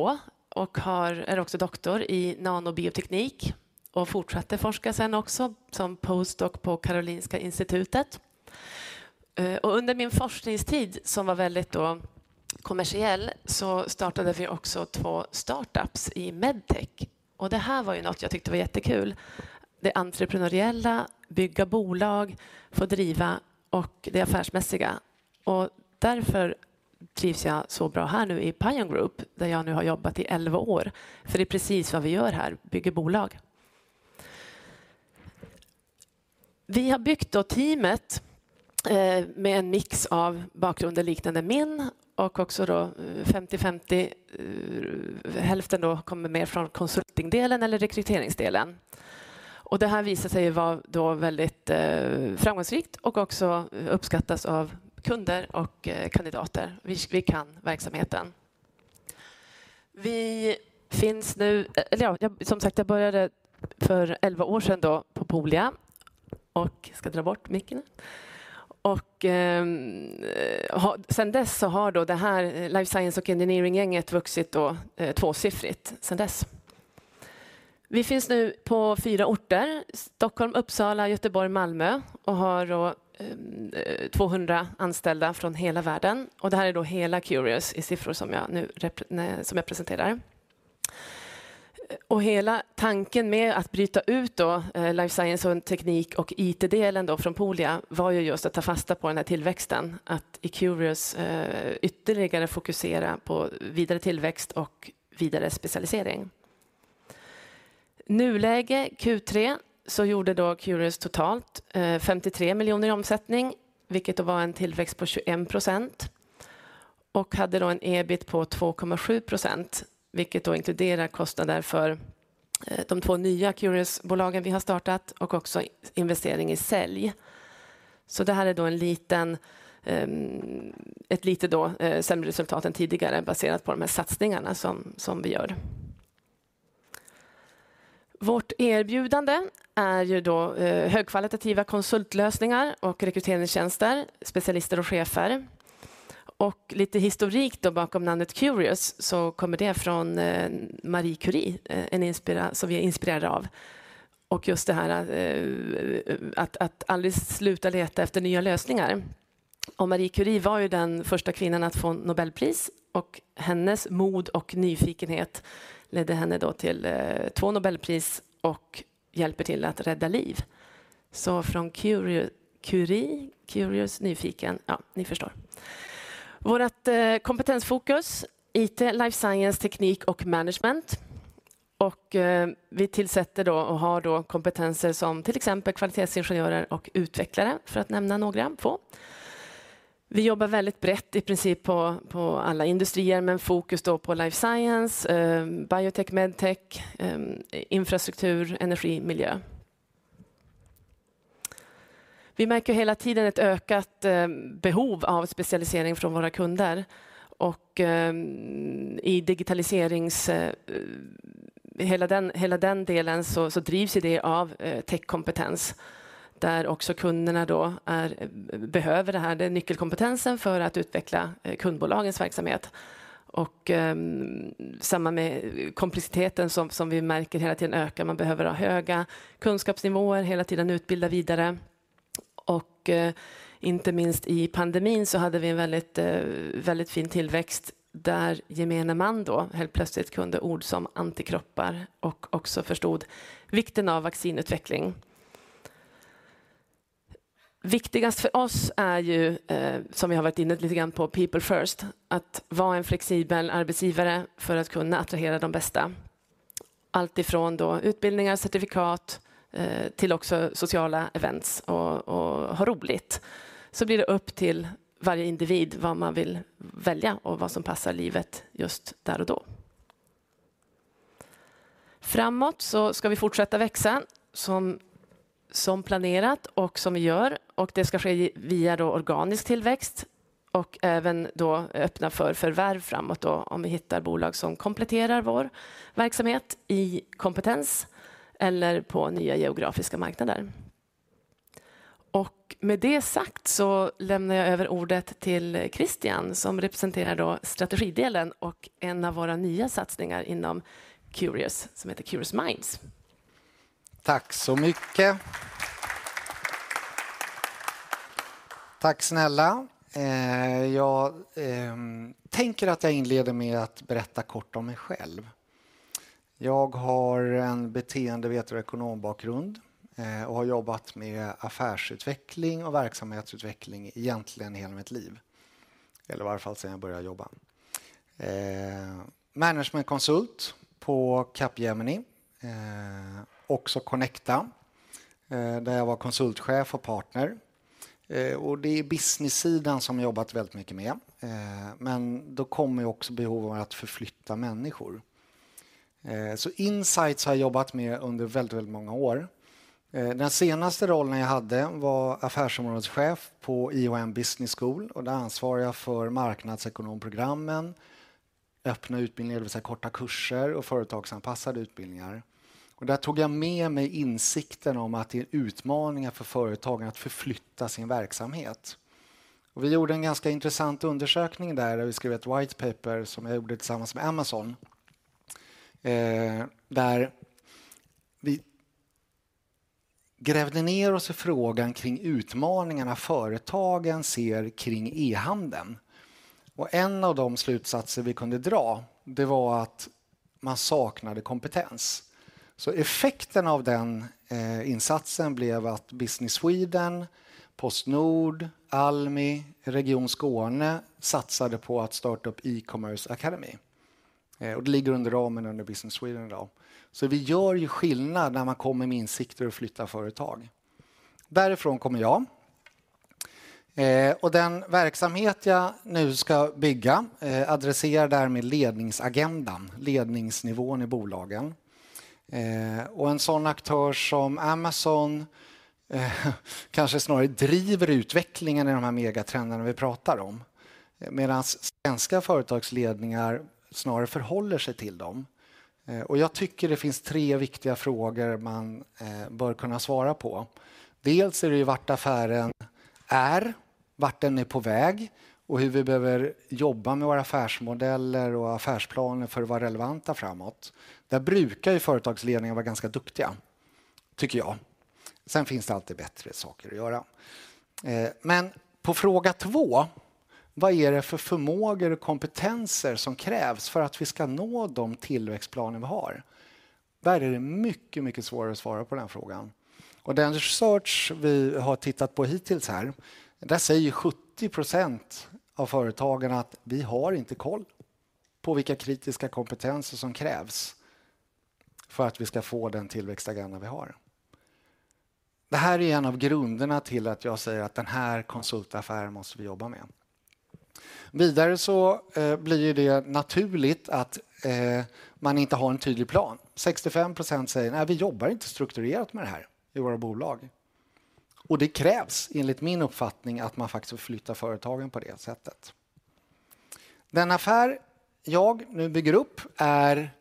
och har, är också doktor i nanobioteknik och fortsatte forska sedan också som postdoc på Karolinska Institutet. Under min forskningstid, som var väldigt icke kommersiell, så startade vi också 2 startups i Medtech. Det här var ju något jag tyckte var jättekul. Det entreprenöriella, bygga bolag, få driva och det affärsmässiga. Därför trivs jag så bra här nu i PION Group, där jag nu har jobbat i 11 år. Det är precis vad vi gör här, bygger bolag. Vi har byggt teamet med en mix av bakgrunder liknande min och också 50-50, hälften kommer mer från consulting-delen eller rekryteringsdelen. Det här visar sig vara då väldigt framgångsrikt och också uppskattas av kunder och kandidater. Vi kan verksamheten. Vi finns nu, eller ja, som sagt, jag började för 11 år sen då på Poolia och jag ska dra bort micken. Sen dess så har då det här Life Science och Engineering-gänget vuxit då tvåsiffrigt sen dess. Vi finns nu på 4 orter, Stockholm, Uppsala, Göteborg, Malmö och har då 200 anställda från hela världen. Det här är då hela QRIOS i siffror som jag presenterar. Hela tanken med att bryta ut då Life Science och teknik- och IT-delen då från Poolia var ju just att ta fasta på den här tillväxten. Att i QRIOS ytterligare fokusera på vidare tillväxt och vidare specialisering. Nuläge Q3 så gjorde då QRIOS totalt 53 million i omsättning, vilket då var en tillväxt på 21% och hade då en EBIT på 2.7%, vilket då inkluderar kostnader för de 2 nya QRIOS-bolagen vi har startat och också investering i sälj. Det här är då ett lite sämre resultat än tidigare baserat på de här satsningarna som vi gör. Vårt erbjudande är ju då högkvalitativa konsultlösningar och rekryteringstjänster, specialister och chefer. Lite historik då bakom namnet QRIOS så kommer det från Marie Curie, som vi är inspirerade av. Just det här att aldrig sluta leta efter nya lösningar. Marie Curie var ju den första kvinnan att få Nobelpris och hennes mod och nyfikenhet ledde henne då till 2 Nobelpris och hjälper till att rädda liv. Från QRIOS, Curie, QRIOS, nyfiken. Ja, ni förstår. Vårat kompetensfokus, IT, life science, teknik och management. Vi tillsätter då och har då kompetenser som till exempel kvalitetsingenjörer och utvecklare för att nämna några få. Vi jobbar väldigt brett i princip på alla industrier, men fokus då på life science, biotech, medtech, infrastruktur, energi, miljö. Vi märker hela tiden ett ökat behov av specialisering från våra kunder och i digitaliseringen, hela den delen så drivs ju det av techkompetens, där också kunderna då är, behöver det här. Det är nyckelkompetensen för att utveckla kundbolagens verksamhet. Samma med komplexiteten som vi märker hela tiden ökar. Man behöver ha höga kunskapsnivåer, hela tiden utbilda vidare. Inte minst i pandemin så hade vi en väldigt fin tillväxt där gemene man då helt plötsligt kunde ord som antikroppar och också förstod vikten av vaccinutveckling. Viktigast för oss är ju, som vi har varit inne lite grann på, people first. Att vara en flexibel arbetsgivare för att kunna attrahera de bästa. Allt ifrån då utbildningar, certifikat till också sociala events och ha roligt. Så blir det upp till varje individ vad man vill välja och vad som passar livet just där och då. Framåt så ska vi fortsätta växa som planerat och som vi gör och det ska ske via då organisk tillväxt och även då öppna för förvärv framåt då om vi hittar bolag som kompletterar vår verksamhet i kompetens eller på nya geografiska marknader. Med det sagt så lämnar jag över ordet till Christian som representerar då strategidelen och en av våra nya satsningar inom QRIOS som heter QRIOS Minds. Tack så mycket. Tack snälla. Jag tänker att jag inleder med att berätta kort om mig själv. Jag har en beteendevetarekonombakgrund och har jobbat med affärsutveckling och verksamhetsutveckling egentligen i hela mitt liv. Eller i varje fall sedan jag började jobba. Management consult på Capgemini, också Connecta, där jag var konsultchef och partner. Det är business-sidan som jag jobbat väldigt mycket med. Då kom ju också behov av att förflytta människor. Så insights har jag jobbat med under väldigt många år. Den senaste rollen jag hade var affärsområdeschef på IHM Business School och där ansvarade jag för marknadsekonomprogrammen, öppna utbildningar, det vill säga korta kurser och företagsanpassade utbildningar. Där tog jag med mig insikten om att det är utmaningar för företagen att förflytta sin verksamhet. Vi gjorde en ganska intressant undersökning där vi skrev ett white paper som jag gjorde tillsammans med Amazon. där vi grävde ner oss i frågan kring utmaningarna företagen ser kring e-handeln. En av de slutsatser vi kunde dra, det var att man saknade kompetens. Effekten av den, insatsen blev att Business Sweden, PostNord, Almi, Region Skåne satsade på att starta upp E-commerce Academy. Det ligger under ramen under Business Sweden då. Vi gör ju skillnad när man kommer med insikter och flyttar företag. Därifrån kommer jag. Den verksamhet jag nu ska bygga adresserar därmed ledningsagendan, ledningsnivån i bolagen. En sådan aktör som Amazon, kanske snarare driver utvecklingen i de här megatrenderna vi pratar om. Medan svenska företagsledningar snarare förhåller sig till dem. Jag tycker det finns tre viktiga frågor man, bör kunna svara på. Dels är det ju var affären är, var den är på väg och hur vi behöver jobba med våra affärsmodeller och affärsplaner för att vara relevanta framåt. Där brukar ju företagsledningar vara ganska duktiga, tycker jag. Finns det alltid bättre saker att göra. På fråga två: Vad är det för förmågor och kompetenser som krävs för att vi ska nå de tillväxtplaner vi har? Där är det mycket svårare att svara på den frågan. Den research vi har tittat på hittills här, där säger 70% av Företagarna att vi har inte koll på vilka kritiska kompetenser som krävs för att vi ska få den tillväxtagendan vi har. Det här är en av grunderna till att jag säger att den här konsultaffären måste vi jobba med. Vidare så blir det naturligt att, man inte har en tydlig plan. 65% säger: "Nej, vi jobbar inte strukturerat med det här i våra bolag." Det krävs enligt min uppfattning att man faktiskt förflyttar företagen på det sättet. Den affär jag nu bygger upp är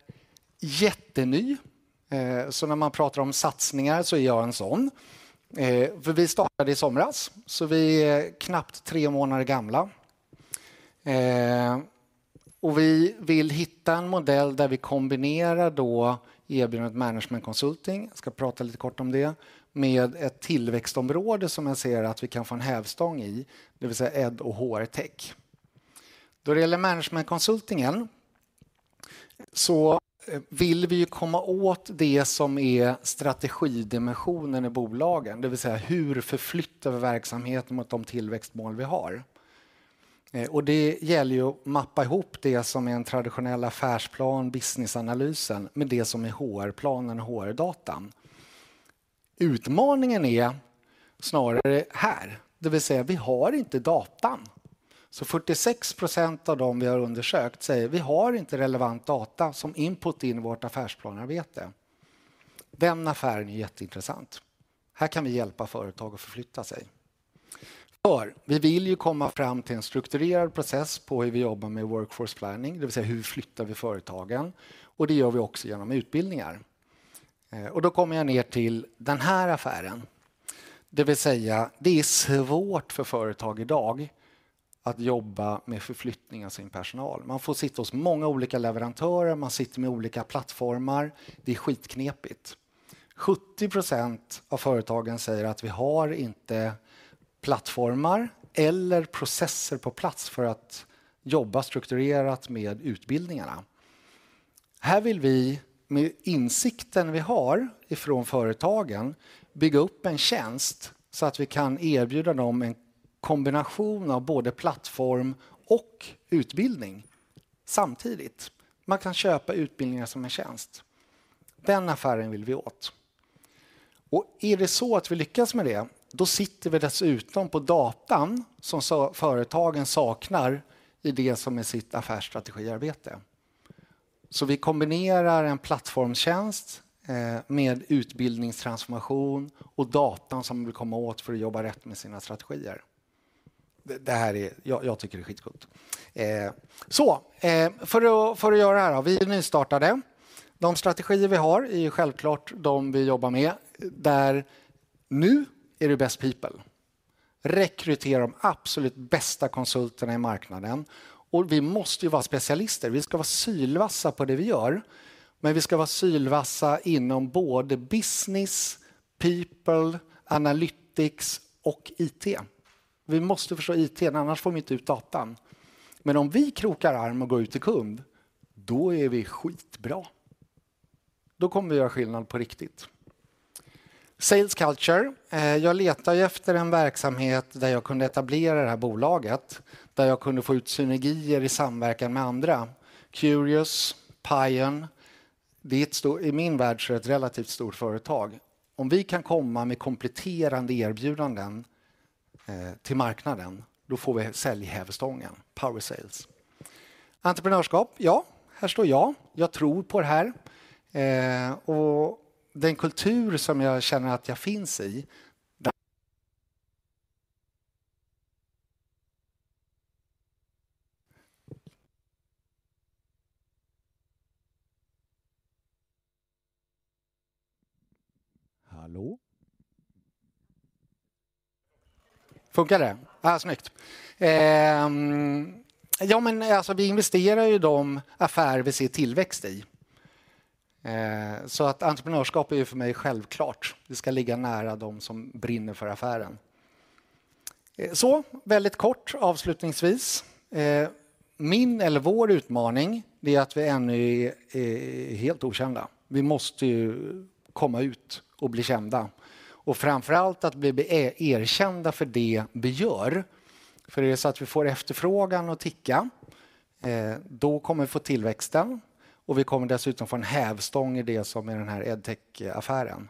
jätteny. När man pratar om satsningar så är jag en sådan. Vi startade i somras, så vi är knappt 3 månader gamla. Vi vill hitta en modell där vi kombinerar erbjudandet management consulting, jag ska prata lite kort om det, med ett tillväxtområde som jag ser att vi kan få en hävstång i, det vill säga ed- och HR-tech. Då det gäller management consultingen, så vill vi ju komma åt det som är strategidimensionen i bolagen. Det vill säga, hur förflyttar vi verksamheten mot de tillväxtmål vi har? Det gäller ju att mappa ihop det som är en traditionell affärsplan, businessanalysen, med det som är HR-planen och HR-datan. Utmaningen är snarare här. Det vill säga, vi har inte datan. 46% av de vi har undersökt säger: "Vi har inte relevant data som input in i vårt affärsplanarbete." Den affären är jätteintressant. Här kan vi hjälpa företag att förflytta sig. Vi vill ju komma fram till en strukturerad process på hur vi jobbar med workforce planning, det vill säga, hur flyttar vi företagen. Det gör vi också genom utbildningar. Då kommer jag ner till den här affären. Det vill säga, det är svårt för företag i dag att jobba med förflyttning av sin personal. Man får sitta hos många olika leverantörer, man sitter med olika plattformar. Det är skitknepigt. 70% av företagen säger att vi har inte plattformar eller processer på plats för att jobba strukturerat med utbildningarna. Här vill vi med insikten vi har ifrån företagen bygga upp en tjänst så att vi kan erbjuda dem en kombination av både plattform och utbildning. Samtidigt. Man kan köpa utbildningar som en tjänst. Den affären vill vi åt. Och är det så att vi lyckas med det, då sitter vi dessutom på datan som företag saknar i det som är sitt affärsstrategiarbete. Vi kombinerar en plattformstjänst med utbildningstransformation och datan som vi vill komma åt för att jobba rätt med sina strategier. Det här är, jag tycker det är skitcoolt. För att göra det här då. Vi är nystartade. De strategier vi har är ju självklart de vi jobbar med, där nu är det best people. Rekrytera de absolut bästa konsulterna i marknaden. Vi måste ju vara specialister. Vi ska vara sylvassa på det vi gör, men vi ska vara sylvassa inom både business, people, analytics och IT. Vi måste förstå IT:n, annars får vi inte ut datan. Men om vi krokar arm och går ut till kund, då är vi skitbra. Då kommer vi att göra skillnad på riktigt. Sales culture. Jag letar ju efter en verksamhet där jag kunde etablera det här bolaget, där jag kunde få ut synergier i samverkan med andra. QRIOS, Pion, det är ett stort, i min värld så är det ett relativt stort företag. Om vi kan komma med kompletterande erbjudanden till marknaden. Då får vi säljhävstången, power sales. Entreprenörskap, ja, här står jag. Jag tror på det här. Den kultur som jag känner att jag finns i. Hallå? Funkar det? Ja, snyggt. Men alltså, vi investerar ju de affärer vi ser tillväxt i. Att entreprenörskap är ju för mig självklart. Det ska ligga nära de som brinner för affären. Väldigt kort, avslutningsvis. Min eller vår utmaning, det är att vi ännu är helt okända. Vi måste ju komma ut och bli kända. Framför allt att bli erkända för det vi gör. Det är så att vi får efterfrågan att ticka. Då kommer vi få tillväxten och vi kommer dessutom få en hävstång i det som är den här EdTech-affären.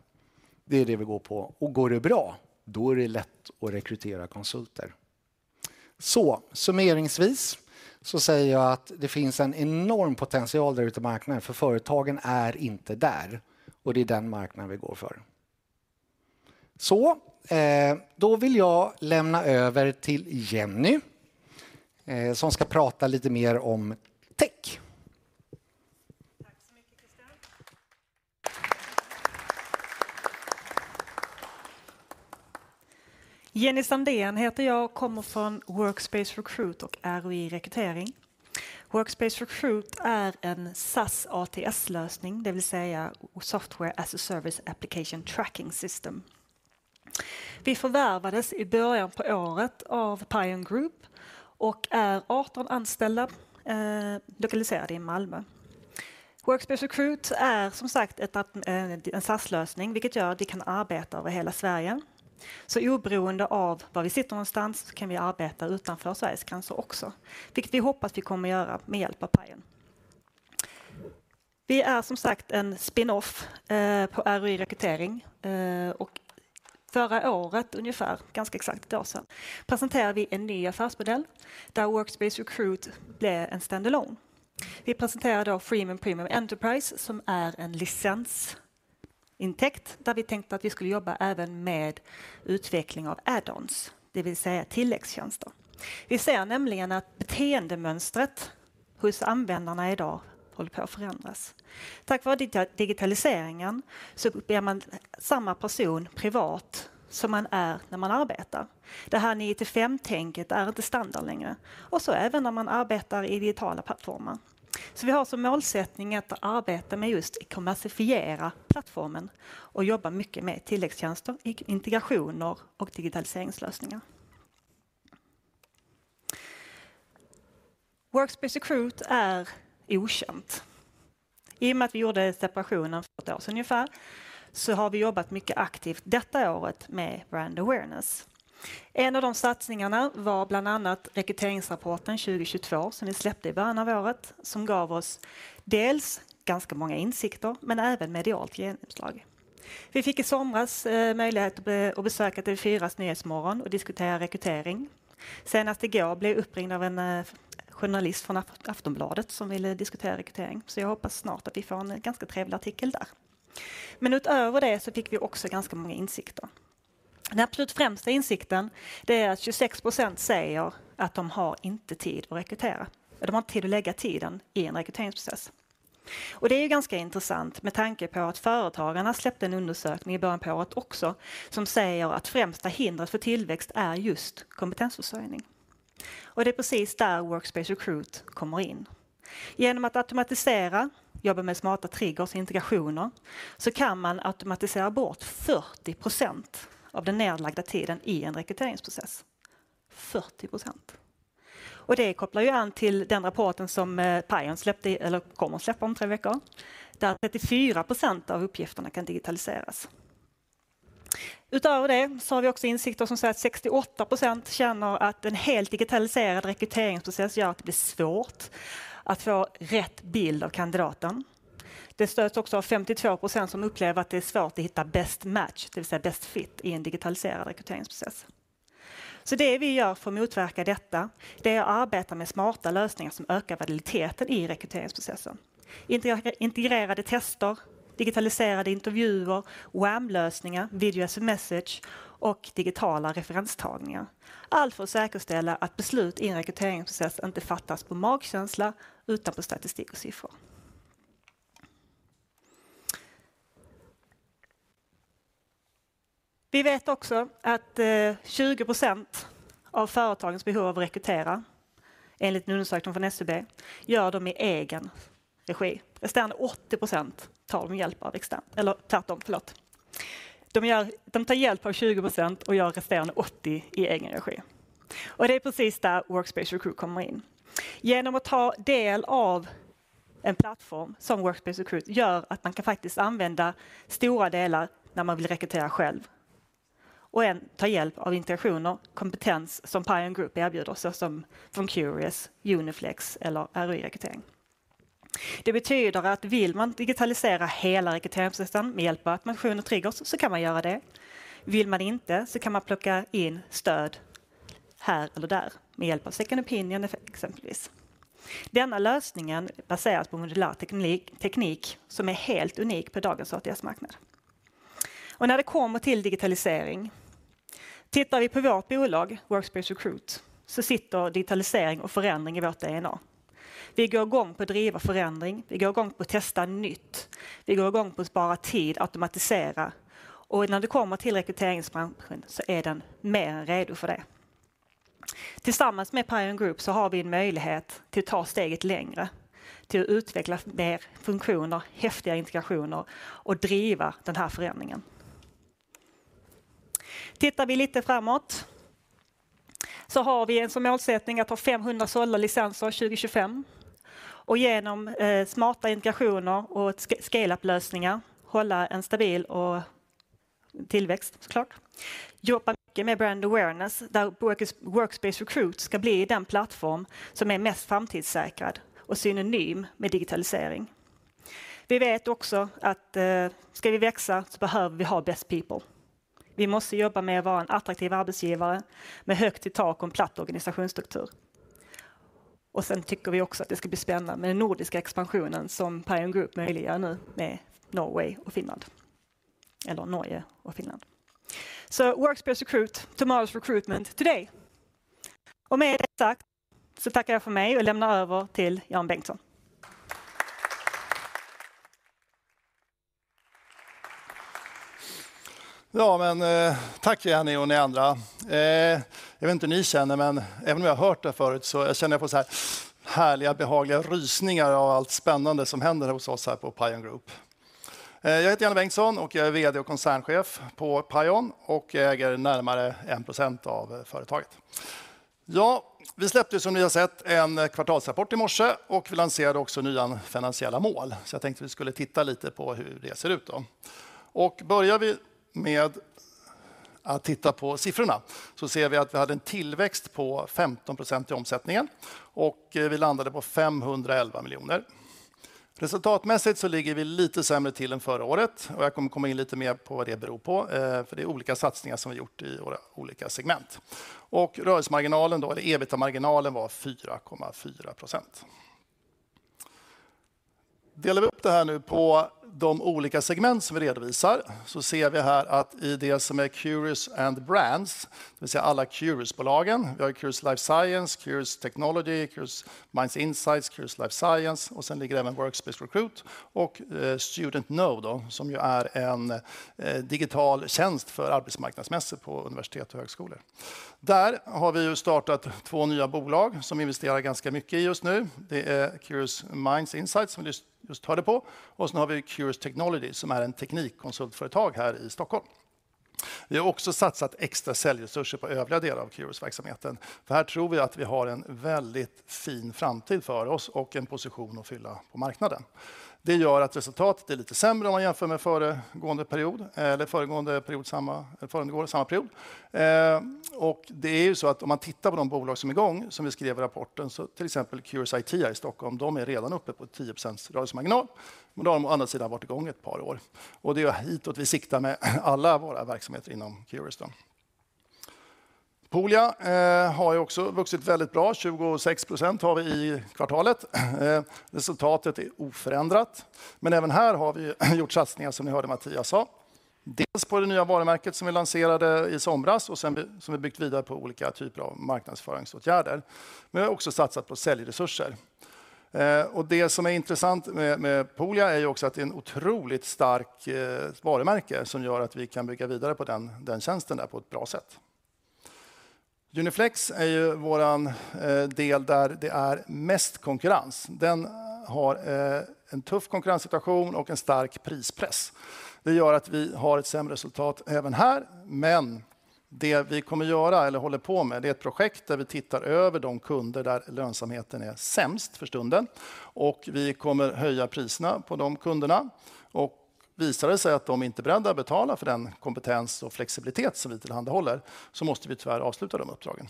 Det är det vi går på. Går det bra, då är det lätt att rekrytera konsulter. Sammanfattningsvis säger jag att det finns en enorm potential där ute på marknaden, för företagen är inte där och det är den marknaden vi går för. vill jag lämna över till Jenny som ska prata lite mer om tech. Tack så mycket Christian. Jenny Sandén heter jag och kommer från Workspace Recruit och Roi Rekrytering. Workspace Recruit är en SaaS ATS-lösning, det vill säga Software as a Service Applicant Tracking System. Vi förvärvades i början på året av PION Group och är 18 anställda, lokaliserade i Malmö. Workspace Recruit är som sagt en SaaS-lösning, vilket gör att vi kan arbeta över hela Sverige. Oberoende av var vi sitter någonstans kan vi arbeta utanför Sveriges gränser också, vilket vi hoppas vi kommer att göra med hjälp av PION. Vi är som sagt en spinoff på Roi Rekrytering. Förra året, ungefär ganska exakt ett år sedan, presenterade vi en ny affärsmodell där Workspace Recruit blev en stand alone. Vi presenterade då Freemium Premium Enterprise, som är en licensintäkt, där vi tänkte att vi skulle jobba även med utveckling av add-ons, det vill säga tilläggstjänster. Vi ser nämligen att beteendemönstret hos användarna i dag håller på att förändras. Tack vare digitaliseringen så blir man samma person privat som man är när man arbetar. Det här nio till fem-tänket är inte standard längre och så även när man arbetar i digitala plattformar. Vi har som målsättning att arbeta med just kommersifiera plattformen och jobba mycket med tilläggstjänster, integrationer och digitaliseringslösningar. Workspace Recruit är okänt. I och med att vi gjorde separationen för ett år sedan ungefär, så har vi jobbat mycket aktivt detta året med brand awareness. En av de satsningarna var bland annat Rekryteringsrapporten 2022 som vi släppte i början av året, som gav oss dels ganska många insikter, men även medialt genomslag. Vi fick i somras möjlighet att besöka TV4:s Nyhetsmorgon och diskutera rekrytering. Senast i går blev jag uppringd av en journalist från Aftonbladet som ville diskutera rekrytering. Jag hoppas snart att vi får en ganska trevlig artikel där. Men utöver det så fick vi också ganska många insikter. Den absolut främsta insikten det är att 26% säger att de har inte tid att rekrytera. De har inte tid att lägga tiden i en rekryteringsprocess. Det är ganska intressant med tanke på att Företagarna släppte en undersökning i början på året också som säger att främsta hindret för tillväxt är just kompetensförsörjning. Det är precis där Workspace Recruit kommer in. Genom att automatisera, jobba med smarta triggers och integrationer, så kan man automatisera bort 40% av den nedlagda tiden i en rekryteringsprocess. 40%. Det kopplar ju an till den rapporten som Pion släppte eller kommer att släppa om 3 veckor, där 34% av uppgifterna kan digitaliseras. Utöver det så har vi också insikter som säger att 68% känner att en helt digitaliserad rekryteringsprocess gör att det blir svårt att få rätt bild av kandidaten. Det stöds också av 52% som upplever att det är svårt att hitta bäst match, det vill säga bäst fit i en digitaliserad rekryteringsprocess. Så det vi gör för att motverka detta, det är att arbeta med smarta lösningar som ökar validiteten i rekryteringsprocessen. Integrerade tester, digitaliserade intervjuer, VAM-lösningar, video as a message och digitala referenstagningar. Allt för att säkerställa att beslut i en rekryteringsprocess inte fattas på magkänsla utan på statistik och siffror. Vi vet också att 20% av företagens behov av rekrytera, enligt en undersökning från SCB, gör de i egen regi. Resten 80% tar de hjälp av externt. Eller tvärtom, förlåt. De tar hjälp av 20% och gör resterande 80% i egen regi. Det är precis där Workspace Recruit kommer in. Genom att ta del av en plattform som Workspace Recruit gör att man kan faktiskt använda stora delar när man vill rekrytera själv. Ta hjälp av integrationer, kompetens som PION Group erbjuder, såsom från QRIOS, Uniflex eller Roi Rekrytering. Det betyder att vill man digitalisera hela rekryteringssystem med hjälp av automation och triggers så kan man göra det. Vill man inte så kan man plocka in stöd här eller där med hjälp av second opinion exempelvis. Denna lösningen baseras på modulär teknik som är helt unik på dagens ATS-marknad. När det kommer till digitalisering, tittar vi på vårt bolag Workspace Recruit, så sitter digitalisering och förändring i vårt DNA. Vi går igång på att driva förändring, vi går igång på att testa nytt, vi går igång på att spara tid, automatisera. När det kommer till rekryteringsbranschen så är den mer än redo för det. Tillsammans med PION Group så har vi en möjlighet till att ta steget längre, till att utveckla mer funktioner, häftiga integrationer och driva den här förändringen. Tittar vi lite framåt så har vi en målsättning att ha 500 SaaS-licenser 2025. Genom smarta integrationer och scale up-lösningar hålla en stabil tillväxt såklart. Jobba mycket med brand awareness, där Workspace Recruit ska bli den plattform som är mest framtidssäkrad och synonym med digitalisering. Vi vet också att ska vi växa så behöver vi ha best people. Vi måste jobba med att vara en attraktiv arbetsgivare med högt i tak och en platt organisationsstruktur. Sen tycker vi också att det ska bli spännande med den nordiska expansionen som PION Group möjliggör nu med Norway och Finland. Eller Norge och Finland. Workspace Recruit, tomorrow's recruitment today. Med det sagt så tackar jag för mig och lämnar över till Jan Bengtsson. Ja men tack Jenny och ni andra. Jag vet inte hur ni känner, men även om jag hört det förut så känner jag att jag får såhär härliga behagliga rysningar av allt spännande som händer hos oss här på PION Group. Jag heter Jan Bengtsson och jag är vd och koncernchef på PION och äger närmare 1% av företaget. Ja, vi släppte som ni har sett en kvartalsrapport i morse och vi lanserade också nya finansiella mål. Jag tänkte vi skulle titta lite på hur det ser ut då. Börjar vi med att titta på siffrorna så ser vi att vi hade en tillväxt på 15% i omsättningen och vi landade på 511 miljoner. Resultatmässigt så ligger vi lite sämre till än förra året och jag kommer komma in lite mer på vad det beror på. För det är olika satsningar som vi har gjort i våra olika segment. Rörelsemarginalen då eller EBITA-marginalen var 4.4%. Delar vi upp det här nu på de olika segment som vi redovisar så ser vi här att i det som är QRIOS & Brands, det vill säga alla QRIOS-bolagen. Vi har QRIOS Life Science, QRIOS Technology, QRIOS Management Consulting, QRIOS Life Science och sen ligger även Workspace Recruit och Student Node då, som ju är en digital tjänst för arbetsmarknadsmässor på universitet och högskolor. Där har vi ju startat 2 nya bolag som vi investerar ganska mycket i just nu. Det är QRIOS Management Consulting som vi just hörde på. Sen har vi QRIOS Technology som är en teknikkonsultföretag här i Stockholm. Vi har också satsat extra säljresurser på övriga delar av QRIOS-verksamheten. Här tror vi att vi har en väldigt fin framtid för oss och en position att fylla på marknaden. Det gör att resultatet är lite sämre om man jämför med föregående period eller samma period. Det är ju så att om man tittar på de bolag som är igång, som vi skrev i rapporten, så till exempel QRIOS IT i Stockholm, de är redan uppe på 10% rörelsemarginal. De har å andra sidan varit igång ett par år. Det är hitåt vi siktar med alla våra verksamheter inom QRIOS då. Poolia har ju också vuxit väldigt bra, 26% har vi i kvartalet. Resultatet är oförändrat, men även här har vi gjort satsningar som ni hörde Mattias sa. Dels på det nya varumärket som vi lanserade i somras och sen vi, som vi byggt vidare på olika typer av marknadsföringsåtgärder. Vi har också satsat på säljresurser. Det som är intressant med Poolia är ju också att det är ett otroligt starkt varumärke som gör att vi kan bygga vidare på den tjänsten där på ett bra sätt. Uniflex är ju våran del där det är mest konkurrens. Den har en tuff konkurrenssituation och en stark prispress. Det gör att vi har ett sämre resultat även här. Det vi kommer göra eller håller på med, det är ett projekt där vi tittar över de kunder där lönsamheten är sämst för stunden och vi kommer höja priserna på de kunderna. Visar det sig att de inte är beredda att betala för den kompetens och flexibilitet som vi tillhandahåller, så måste vi tyvärr avsluta de uppdragen.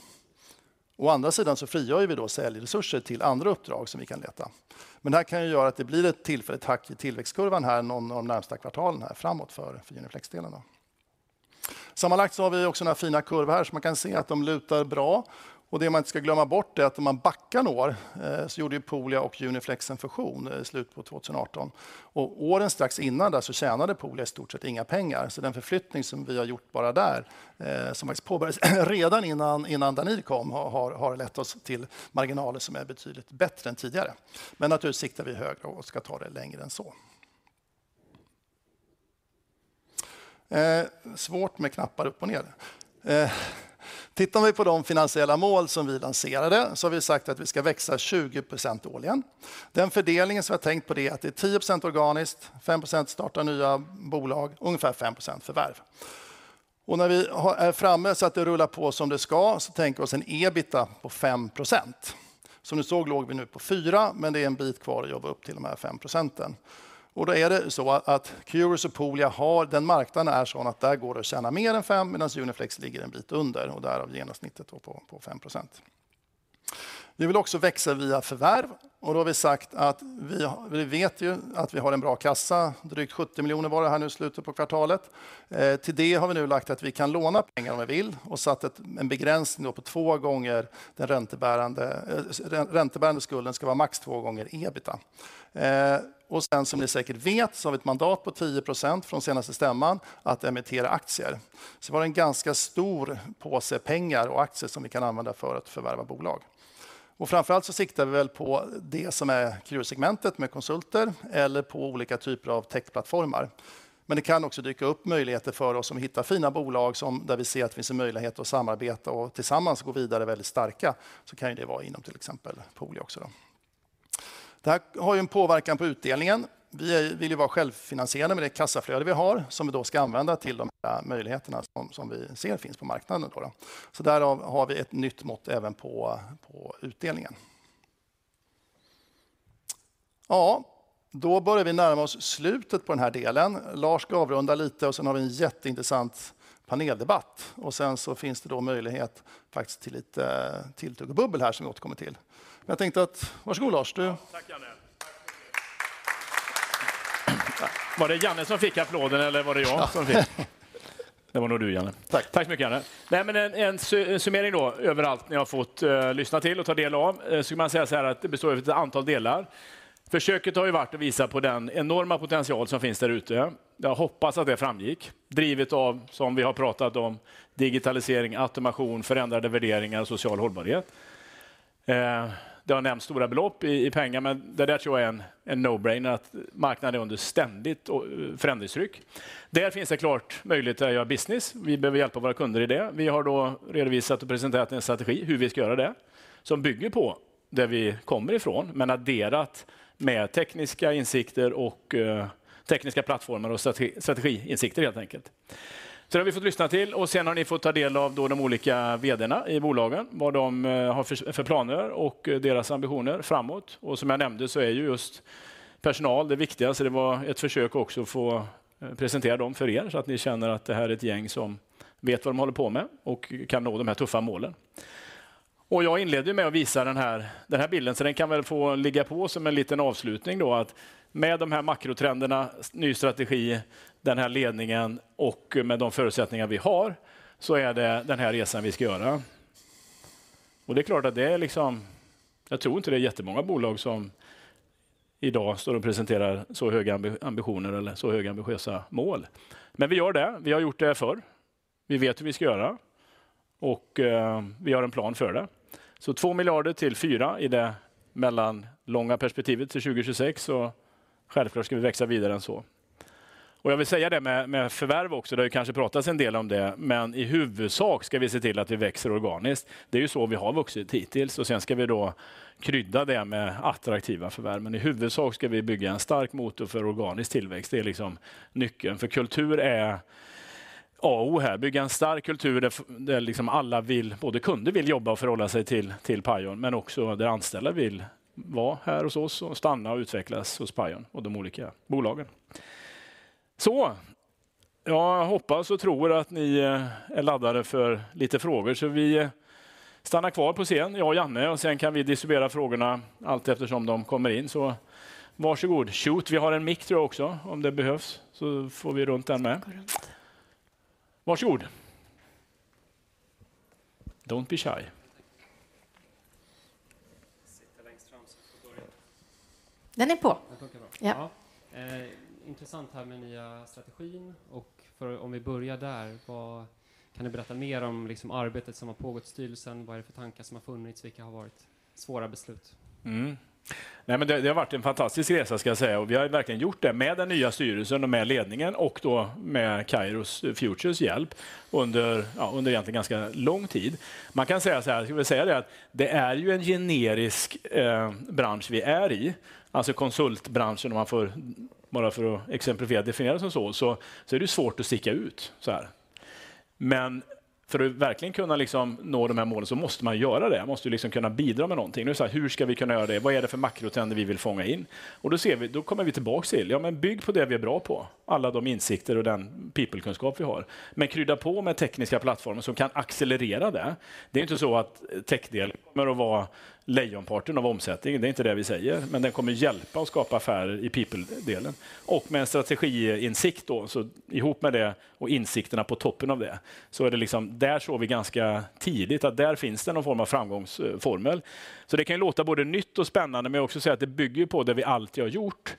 Å andra sidan så frigör vi då säljresurser till andra uppdrag som vi kan leta. Det här kan ju göra att det blir ett tillfälligt hack i tillväxtkurvan här någon av de närmaste kvartalen här framåt för Uniflex-delen då. Sammanlagt så har vi också den här fina kurvan här så man kan se att de lutar bra. Det man inte ska glömma bort är att om man backar något år så gjorde ju Poolia och Uniflex en fusion i slutet på 2018. Åren strax innan där så tjänade Poolia i stort sett inga pengar. Den förflyttning som vi har gjort bara där som faktiskt påbörjades redan innan Danir kom har lett oss till marginaler som är betydligt bättre än tidigare. Naturligtvis siktar vi högre och ska ta det längre än så. Svårt med knappar upp och ner. Tittar vi på de finansiella målen som vi lanserade så har vi sagt att vi ska växa 20% årligen. Den fördelningen som vi har tänkt på det är att det är 10% organiskt, 5% starta nya bolag, ungefär 5% förvärv. När vi är framme så att det rullar på som det ska, tänker vi oss en EBITA på 5%. Som ni såg låg vi nu på 4%, men det är en bit kvar att jobba upp till de här 5%. Då är det ju så att QRIOS och Poolia har den marknaden är sådan att där går det att tjäna mer än 5%, medan Uniflex ligger en bit under och därav genomsnittet då på 5%. Vi vill också växa via förvärv och då har vi sagt att vi vet ju att vi har en bra kassa. Drygt 70 miljoner var det här nu i slutet på kvartalet. Till det har vi nu lagt att vi kan låna pengar om vi vill och satt en begränsning på 2 gånger den räntebärande skulden ska vara max 2 gånger EBITDA. Sen som ni säkert vet så har vi ett mandat på 10% från senaste stämman att emittera aktier. Var det en ganska stor påse pengar och aktier som vi kan använda för att förvärva bolag. Framför allt så siktar vi väl på det som är QRIOS-segmentet med konsulter eller på olika typer av tech-plattformar. Det kan också dyka upp möjligheter för oss om vi hittar fina bolag som, där vi ser att det finns en möjlighet att samarbeta och tillsammans gå vidare väldigt starka. Kan ju det vara inom till exempel Poolia också då. Det här har ju en påverkan på utdelningen. Vi vill ju vara självfinansierade med det kassaflöde vi har, som vi då ska använda till de här möjligheterna som vi ser finns på marknaden då. Därav har vi ett nytt mått även på utdelningen. Ja, då börjar vi närma oss slutet på den här delen. Lars ska avrunda lite och sen har vi en jätteintressant paneldebatt och sen så finns det då möjlighet faktiskt till lite tilltugg och bubbel här som vi återkommer till. Jag tänkte att varsågod Lars, du- Tack Janne. Var det Janne som fick applåden eller var det jag som fick? Det var nog du, Janne. Tack. Tack så mycket, Janne. Nej, men en summering då över allt ni har fått lyssna till och ta del av. Skulle man säga såhär att det består av ett antal delar. Försöket har ju varit att visa på den enorma potential som finns där ute. Jag hoppas att det framgick, drivet av, som vi har pratat om digitalisering, automation, förändrade värderingar, social hållbarhet. Det har nämnts stora belopp i pengar, men det där tror jag är en no-brainer att marknaden är under ständigt förändringstryck. Där finns det klart möjlighet att göra business. Vi behöver hjälpa våra kunder i det. Vi har då redovisat och presenterat en strategi hur vi ska göra det som bygger på där vi kommer ifrån, men adderat med tekniska insikter och tekniska plattformar och strategiinsikter helt enkelt. Det har vi fått lyssna till och sen har ni fått ta del av de olika VD:arna i bolagen, vad de har för planer och deras ambitioner framåt. Som jag nämnde så är ju just personal det viktigaste. Det var ett försök också att få presentera dem för er så att ni känner att det här är ett gäng som vet vad de håller på med och kan nå de här tuffa målen. Jag inledde med att visa den här bilden, så den kan väl få ligga på som en liten avslutning då att med de här makrotrenderna, ny strategi, den här ledningen och med de förutsättningar vi har, så är det den här resan vi ska göra. Det är klart att det är liksom, jag tror inte det är jättemånga bolag som i dag står och presenterar så höga ambitioner eller så höga ambitiösa mål. Vi gör det. Vi har gjort det förr. Vi vet hur vi ska göra och vi har en plan för det. 2 miljarder-4 miljarder i det mellanlånga perspektivet för 2026. Självklart ska vi växa vidare än så. Jag vill säga det med förvärv också. Det har kanske pratats en del om det, men i huvudsak ska vi se till att vi växer organiskt. Det är ju så vi har vuxit hittills. Sen ska vi då krydda det med attraktiva förvärv. I huvudsak ska vi bygga en stark motor för organisk tillväxt. Det är liksom nyckeln för kultur är A och O här. Bygga en stark kultur där liksom alla vill, både kunder vill jobba och förhålla sig till Pion, men också där anställda vill vara här hos oss och stanna och utvecklas hos Pion och de olika bolagen. Jag hoppas och tror att ni är laddade för lite frågor. Vi stannar kvar på scen, jag och Janne, och sen kan vi distribuera frågorna allteftersom de kommer in. Varsågod, shoot. Vi har en mick då också om det behövs så får vi runt den med. Varsågod. Don't be shy. Sitta längst fram så får börja. Den är på. Intressant det här med nya strategin och för om vi börjar där, vad kan ni berätta mer om liksom arbetet som har pågått i styrelsen? Vad är det för tankar som har funnits? Vilka har varit svåra beslut? Nej, men det har varit en fantastisk resa ska jag säga och vi har verkligen gjort det med den nya styrelsen och med ledningen och då med Kairos Future's hjälp under, ja under egentligen ganska lång tid. Man kan säga såhär, ska vi säga det att det är ju en generisk bransch vi är i. Alltså konsultbranschen, om man får, bara för att exemplifiera, definieras som så är det ju svårt att sticka ut såhär. Men för att verkligen kunna liksom nå de här målen så måste man ju göra det. Man måste liksom kunna bidra med någonting. Nu är det såhär, hur ska vi kunna göra det. Vad är det för makrotrender vi vill fånga in. Då ser vi, då kommer vi tillbaka till. Ja men bygg på det vi är bra på. Alla de insikter och den peoplekunskap vi har. Krydda på med tekniska plattformar som kan accelerera det. Det är inte så att techdelen kommer att vara lejonparten av omsättningen. Det är inte det vi säger, men den kommer att hjälpa att skapa affärer i people-delen. Med strategiinsikt då, så ihop med det och insikterna på toppen av det, så är det liksom, där såg vi ganska tidigt att där finns det någon form av framgångsformel. Det kan ju låta både nytt och spännande, men jag också säga att det bygger ju på det vi alltid har gjort.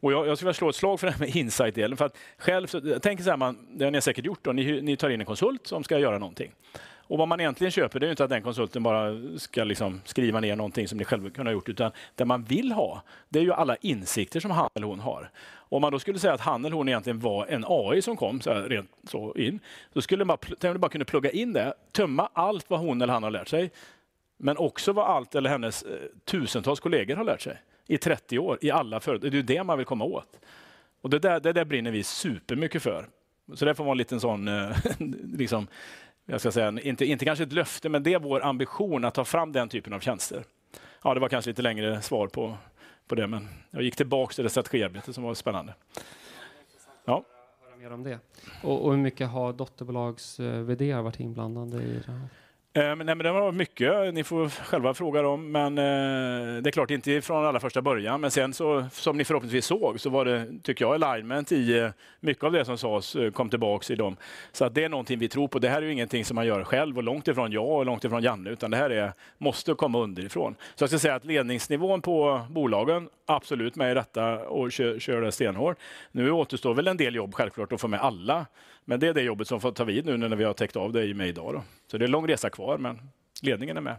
Jag skulle vilja slå ett slag för det här med insight-delen. För att själv, så tänker man, det har ni säkert gjort då. Ni tar in en konsult som ska göra någonting. Vad man egentligen köper, det är ju inte att den konsulten bara ska liksom skriva ner någonting som ni själva kunna gjort, utan det man vill ha, det är ju alla insikter som han eller hon har. Om man då skulle säga att han eller hon egentligen var en AI som kom såhär rent så in, då skulle man, tänk om man bara kunde plugga in det, tömma allt vad hon eller han har lärt sig, men också vad alla hennes tusentals kollegor har lärt sig i 30 år i alla företag. Det är ju det man vill komma åt. Det där brinner vi supermycket för. Det får vara en liten sån, liksom jag ska säga, inte kanske ett löfte, men det är vår ambition att ta fram den typen av tjänster. Ja, det var kanske lite längre svar på det, men jag gick tillbaka till det strategiarbetet som var spännande. Ja. Hur mycket har dotterbolags VDar varit inblandade i det här? Nej, men det har varit mycket. Ni får själva fråga dem, men det är klart, inte från allra första början. Men sen så som ni förhoppningsvis såg så var det, tycker jag, alignment i mycket av det som sades kom tillbaka i dem. Så att det är någonting vi tror på. Det här är ingenting som man gör själv och långt ifrån jag och långt ifrån Janne, utan det här är, måste komma underifrån. Så jag skulle säga att ledningsnivån på bolagen absolut med i detta och kör det stenhårt. Nu återstår väl en del jobb självklart att få med alla. Men det är det jobbet som får ta vid nu när vi har täckt av det med idag då. Så det är lång resa kvar, men ledningen är med.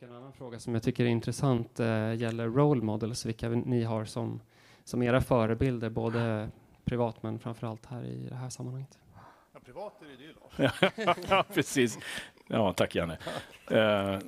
En annan fråga som jag tycker är intressant gäller role models, vilka ni har som era förebilder, både privat men framför allt här i det här sammanhanget. Ja privat är det ju du va? Ja, precis. Ja, tack Janne.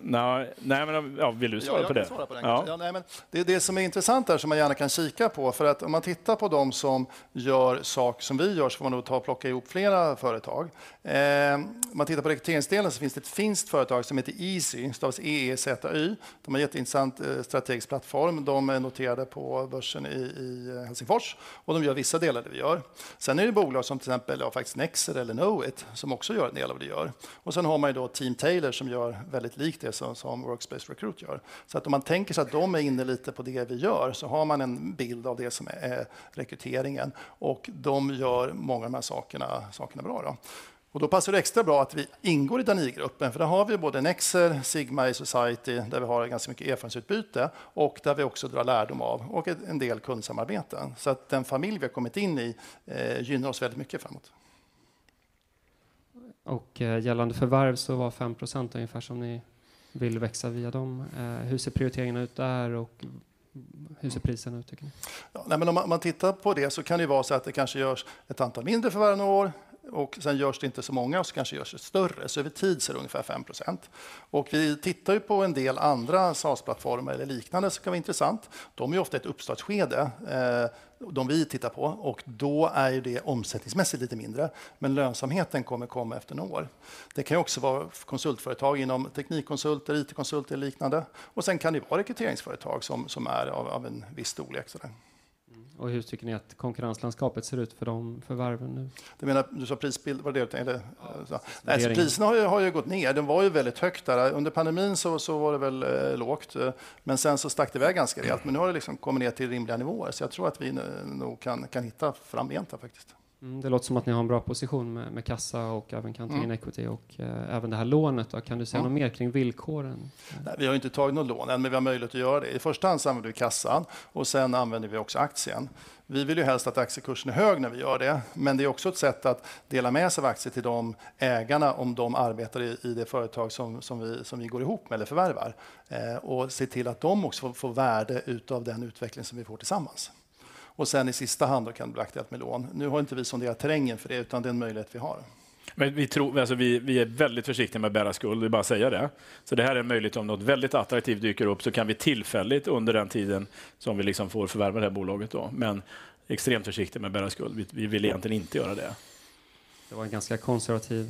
Nej, men ja, vill du svara på den? Ja, jag kan svara på den. Nej men det som är intressant där som man gärna kan kika på för att om man tittar på de som gör saker som vi gör så får man nog ta och plocka ihop flera företag. Om man tittar på rekryteringsdelen så finns det ett finskt företag som heter Eezy, stavas E-e-z-y. De har jätteintressant strategisk plattform. De är noterade på börsen i Helsingfors och de gör vissa delar av det vi gör. Sen är det bolag som till exempel ja faktiskt Nexer eller Knowit som också gör en del av det vi gör. Sen har man ju då Teamtailor som gör väldigt likt det som Workspace Recruit gör. Om man tänker sig att de är inne lite på det vi gör så har man en bild av det som är rekryteringen och de gör många av de här sakerna bra då. Passar det extra bra att vi ingår i den i-gruppen. För där har vi både Nexer, Sigma, A Society, där vi har ganska mycket erfarenhetsutbyte och där vi också drar lärdom av och en del kundsamarbeten. Den familj vi har kommit in i gynnar oss väldigt mycket framåt. Gällande förvärv så var 5% ungefär som ni vill växa via dem. Hur ser prioriteringen ut där och hur ser priserna ut tycker ni? Om man tittar på det så kan det vara så att det kanske görs ett antal mindre förvärv per år. Sen görs det inte så många, så kanske görs det större. Över tid så är det ungefär 5%. Vi tittar ju på en del andra SaaS-plattformar eller liknande som kan vara intressant. De är ofta i ett uppstartsskede, de vi tittar på och då är ju det omsättningsmässigt lite mindre, men lönsamheten kommer efter några år. Det kan ju också vara konsultföretag inom teknikkonsulter, IT-konsulter, liknande. Sen kan det vara rekryteringsföretag som är av en viss storlek sådär. Hur tycker ni att konkurrenslandskapet ser ut för de förvärven nu? Du menar, du sa prisbild, var det det du menade eller? Priserna har ju gått ner. Den var ju väldigt högt där. Under pandemin så var det väl lågt, men sen så stack det i väg ganska rejält. Men nu har det liksom kommit ner till rimliga nivåer. Så jag tror att vi nog kan hitta framgent där faktiskt. Det låter som att ni har en bra position med kassa och även current equity och även det här lånet. Kan du säga något mer kring villkoren? Nej, vi har inte tagit något lån än, men vi har möjlighet att göra det. I första hand använder vi kassan och sen använder vi också aktien. Vi vill ju helst att aktiekursen är hög när vi gör det, men det är också ett sätt att dela med sig av aktier till de ägarna om de arbetar i det företag som vi går ihop med eller förvärvar. Och se till att de också får värde utav den utvecklingen som vi får tillsammans. Och sen i sista hand då kan det bli aktierat med lån. Nu har inte vi sonderat terrängen för det, utan det är en möjlighet vi har. Vi tror, alltså vi är väldigt försiktiga med att bära skuld, det är bara att säga det. Det här är en möjlighet om något väldigt attraktivt dyker upp så kan vi tillfälligt under den tiden som vi liksom får förvärva det här bolaget då. Extremt försiktig med att bära skuld. Vi vill egentligen inte göra det. Det var en ganska konservativ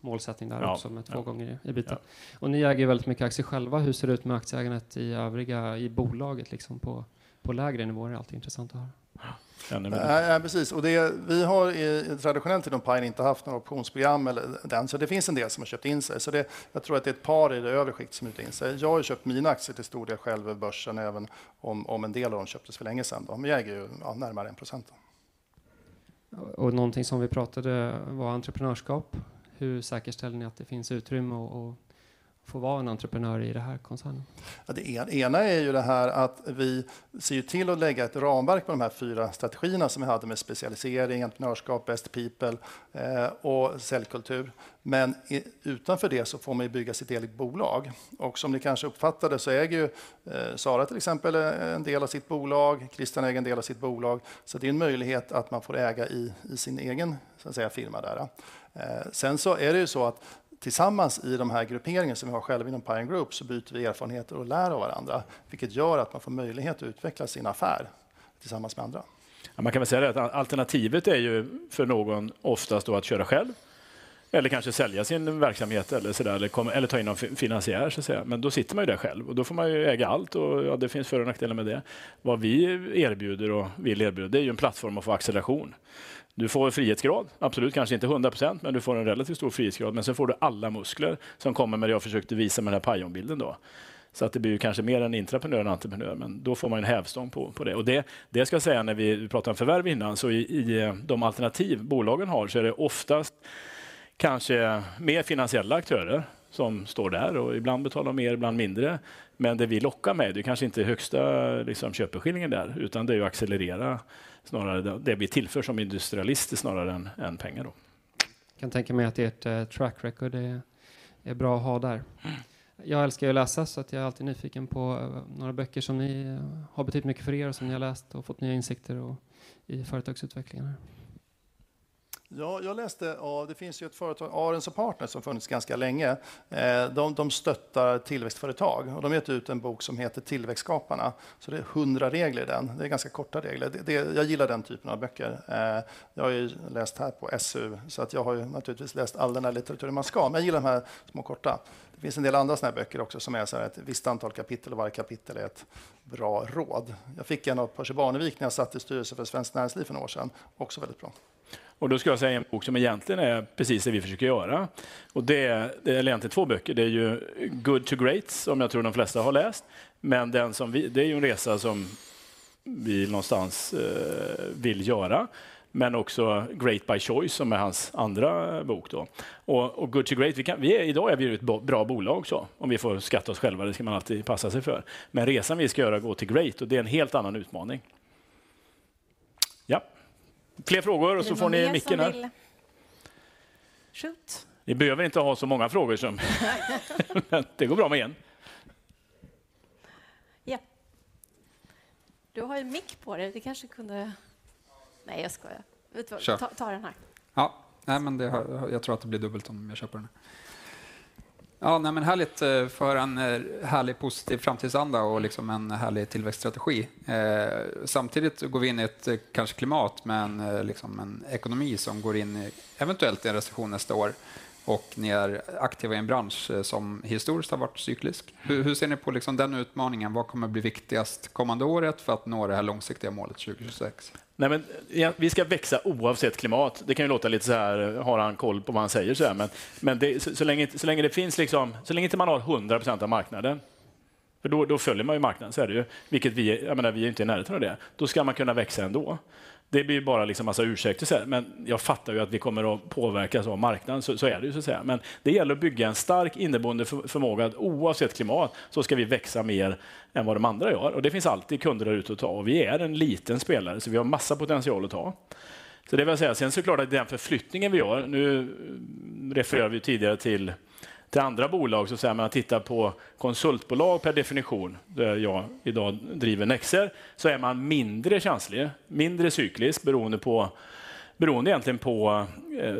målsättning där också med 2 gånger EBITDA. Ni äger ju väldigt mycket aktier själva. Hur ser det ut med aktieägandet i övriga i bolaget, liksom på lägre nivåer? Det är alltid intressant att höra. Ja, precis. Det, vi har traditionellt inom Pion inte haft något optionsprogram eller den. Det finns en del som har köpt in sig. Det, jag tror att det är ett par i det övre skikt som har köpt in sig. Jag har ju köpt mina aktier till stor del själv över börsen, även om en del av dem köptes för länge sedan. Jag äger ju närmare 1% då. Någonting som vi pratade var entreprenörskap. Hur säkerställer ni att det finns utrymme att få vara en entreprenör i det här koncernen? Ja det ena är ju det här att vi ser ju till att lägga ett ramverk på de här fyra strategierna som vi hade med specialisering, entreprenörskap, best people, och säljkultur. Men utanför det så får man ju bygga sitt eget bolag. Och som ni kanske uppfattade så äger ju Sara till exempel en del av sitt bolag, Christian äger en del av sitt bolag. Så det är en möjlighet att man får äga i sin egen, så att säga, firma där va. Sen så är det ju så att tillsammans i de här grupperingar som vi har själva inom PION Group så byter vi erfarenheter och lär av varandra, vilket gör att man får möjlighet att utveckla sin affär tillsammans med andra. Man kan väl säga det att alternativet är ju för någon oftast då att köra själv eller kanske sälja sin verksamhet eller sådär. Eller ta in någon finansiär så att säga. Då sitter man ju där själv och då får man ju äga allt. Det finns för- och nackdelar med det. Vad vi erbjuder och vill erbjuda, det är ju en plattform att få acceleration. Du får frihetsgrad, absolut, kanske inte 100%, men du får en relativt stor frihetsgrad. Sen får du alla muskler som kommer med det jag försökte visa med den här Pion-bilden då. Att det blir kanske mer en intraprenör än entreprenör, men då får man en hävstång på det. Det ska jag säga när vi pratar om förvärv innan. i de alternativa bolagen är det oftast kanske mer finansiella aktörer som står där och ibland betalar mer, ibland mindre. Det vi lockar med, det är kanske inte högsta liksom köpeskillingen där, utan det är att accelerera snarare det vi tillför som industrialist snarare än pengar då. Kan tänka mig att ert track record är bra att ha där. Jag älskar ju att läsa så att jag är alltid nyfiken på några böcker som ni har betytt mycket för er och som ni har läst och fått nya insikter i företagsutvecklingen här. Ja, jag läste, och det finns ju ett företag, Ahrens & Partners, som funnits ganska länge. De stöttar tillväxtföretag och de har gett ut en bok som heter Tillväxtskaparna. Det är 100 regler i den. Det är ganska korta regler. Det, jag gillar den typen av böcker. Jag har ju läst här på SU, så att jag har ju naturligtvis läst all den här litteraturen man ska. Jag gillar de här små korta. Det finns en del andra sådana här böcker också som är såhär ett visst antal kapitel och varje kapitel är ett bra råd. Jag fick en av Percy Barnevik när jag satt i styrelsen för Svenskt Näringsliv för några år sedan. Också väldigt bra. Då ska jag säga en bok som egentligen är precis det vi försöker göra. Det är egentligen två böcker. Det är ju Good to Great, som jag tror de flesta har läst, men den som vi, det är ju en resa som vi någonstans vill göra, men också Great by Choice, som är hans andra bok då. Good to Great, vi är, i dag är vi ett bra bolag så om vi får skatta oss själva, det ska man alltid passa sig för. Resan vi ska göra går till Great och det är en helt annan utmaning. Ja, fler frågor och så får ni micken där. Den som vill. Shoot. Ni behöver inte ha så många frågor. Det går bra med en. Ja, du har ju mick på dig. Nej, jag skojar. Ta den här. Ja, nej men det, jag tror att det blir dubbelt om jag kör på den. Ja, nej men härligt för en härlig positiv framtidsanda och liksom en härlig tillväxtstrategi. Samtidigt går vi in i ett kanske klimat med en, liksom, en ekonomi som går in eventuellt i en recession nästa år och ni är aktiva i en bransch som historiskt har varit cyklisk. Hur ser ni på liksom den utmaningen? Vad kommer att bli viktigast kommande året för att nå det här långsiktiga målet 2026? Nej men, vi ska växa oavsett klimat. Det kan ju låta lite såhär, har han koll på vad han säger såhär, men så länge det finns liksom, så länge inte man har 100% av marknaden, för då följer man ju marknaden, så är det ju. Jag menar, vi är inte i närheten av det. Då ska man kunna växa ändå. Det blir bara liksom en massa ursäkter och säga, "Men jag fattar ju att vi kommer att påverkas av marknaden." Så är det ju så att säga. Det gäller att bygga en stark inneboende förmåga att oavsett klimat så ska vi växa mer än vad de andra gör. Det finns alltid kunder där ute att ta. Vi är en liten spelare, så vi har massa potential att ta. Det vill jag säga. Klart att den förflyttningen vi gör, nu refererade vi tidigare till andra bolag så att säga. Man tittar på konsultbolag per definition, där jag i dag driver Nexer, så är man mindre känslig, mindre cyklisk beroende på, beroende egentligen på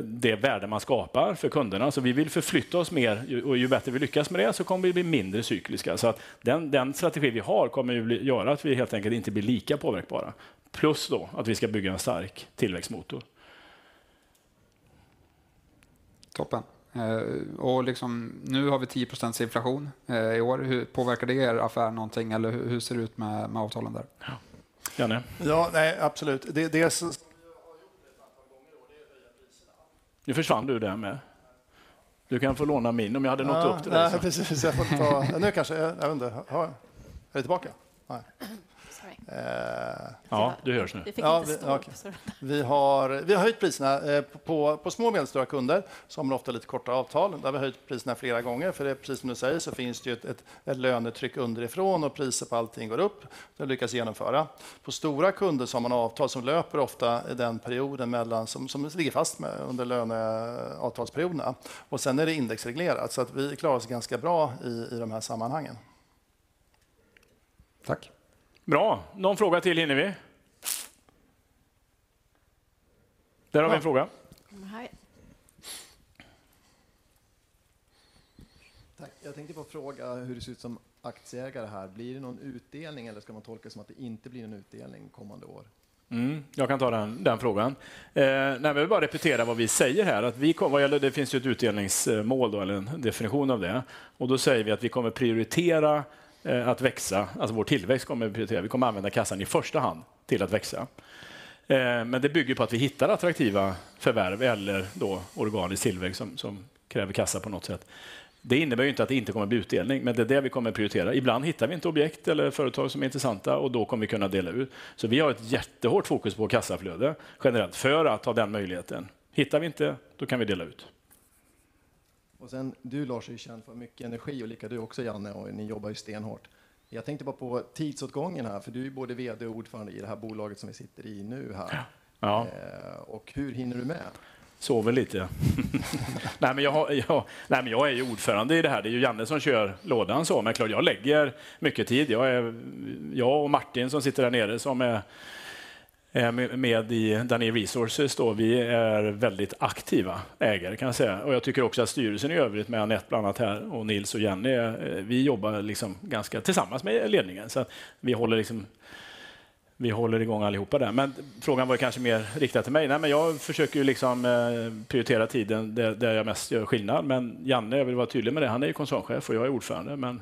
det värde man skapar för kunderna. Vi vill förflytta oss mer och ju bättre vi lyckas med det så kommer vi bli mindre cykliska. Den strategi vi har kommer ju bli, göra att vi helt enkelt inte blir lika påverkbara. Plus då att vi ska bygga en stark tillväxtmotor. Toppen. Liksom nu har vi 10% inflation i år. Hur påverkar det er affär någonting? Hur ser det ut med avtalen där? Janne? Ja, nej, absolut. Det nu försvann du där med. Du kan få låna min om jag hade nått upp till den. Precis, jag får ta. Nu kanske, jag undrar, är jag tillbaka? Nej. Ja, du hörs nu. Vi har höjt priserna på små och medelstora kunder som har ofta lite korta avtal. Där vi har höjt priserna flera gånger. För det är precis som du säger så finns det ju ett lönetryck underifrån och priser på allting går upp. Det har vi lyckats genomföra. På stora kunder så har man avtal som löper ofta i den perioden mellan som ligger fast under löneavtalsperioderna. Sen är det indexreglerat så att vi klarar oss ganska bra i de här sammanhangen. Tack. Bra. Någon fråga till hinner vi. Där har vi en fråga. Tack. Jag tänkte bara fråga hur det ser ut som aktieägare här. Blir det någon utdelning eller ska man tolka som att det inte blir en utdelning kommande år? Jag kan ta den frågan. Nej men jag vill bara repetera vad vi säger här. Att vi kommer, vad gäller, det finns ju ett utdelningsmål eller en definition av det. Då säger vi att vi kommer prioritera att växa. Alltså vår tillväxt kommer vi prioritera. Vi kommer använda kassan i första hand till att växa. Men det bygger på att vi hittar attraktiva förvärv eller då organisk tillväxt som kräver kassa på något sätt. Det innebär ju inte att det inte kommer bli utdelning, men det är det vi kommer prioritera. Ibland hittar vi inte objekt eller företag som är intressanta och då kommer vi kunna dela ut. Vi har ett jättehårt fokus på kassaflöde generellt för att ha den möjligheten. Hittar vi inte, då kan vi dela ut. Du Lars är ju känd för mycket energi och lika du också Janne och ni jobbar ju stenhårt. Jag tänkte bara på tidsåtgången här för du är ju både VD och ordförande i det här bolaget som vi sitter i nu här. Ja. Hur hinner du med? Nej, men jag är ju ordförande i det här. Det är ju Janne som kör lådan så. Klart jag lägger mycket tid. Jag och Martin som sitter där nere som är med i Danir Resources då. Vi är väldigt aktiva ägare kan jag säga. Jag tycker också att styrelsen i övrigt med Anette bland annat här och Nils och Jenny, vi jobbar liksom ganska tillsammans med ledningen. Så att vi håller liksom i gång allihopa där. Frågan var kanske mer riktad till mig. Nej, men jag försöker ju liksom prioritera tiden där jag mest gör skillnad. Janne, jag vill vara tydlig med det. Han är koncernchef och jag är ordförande.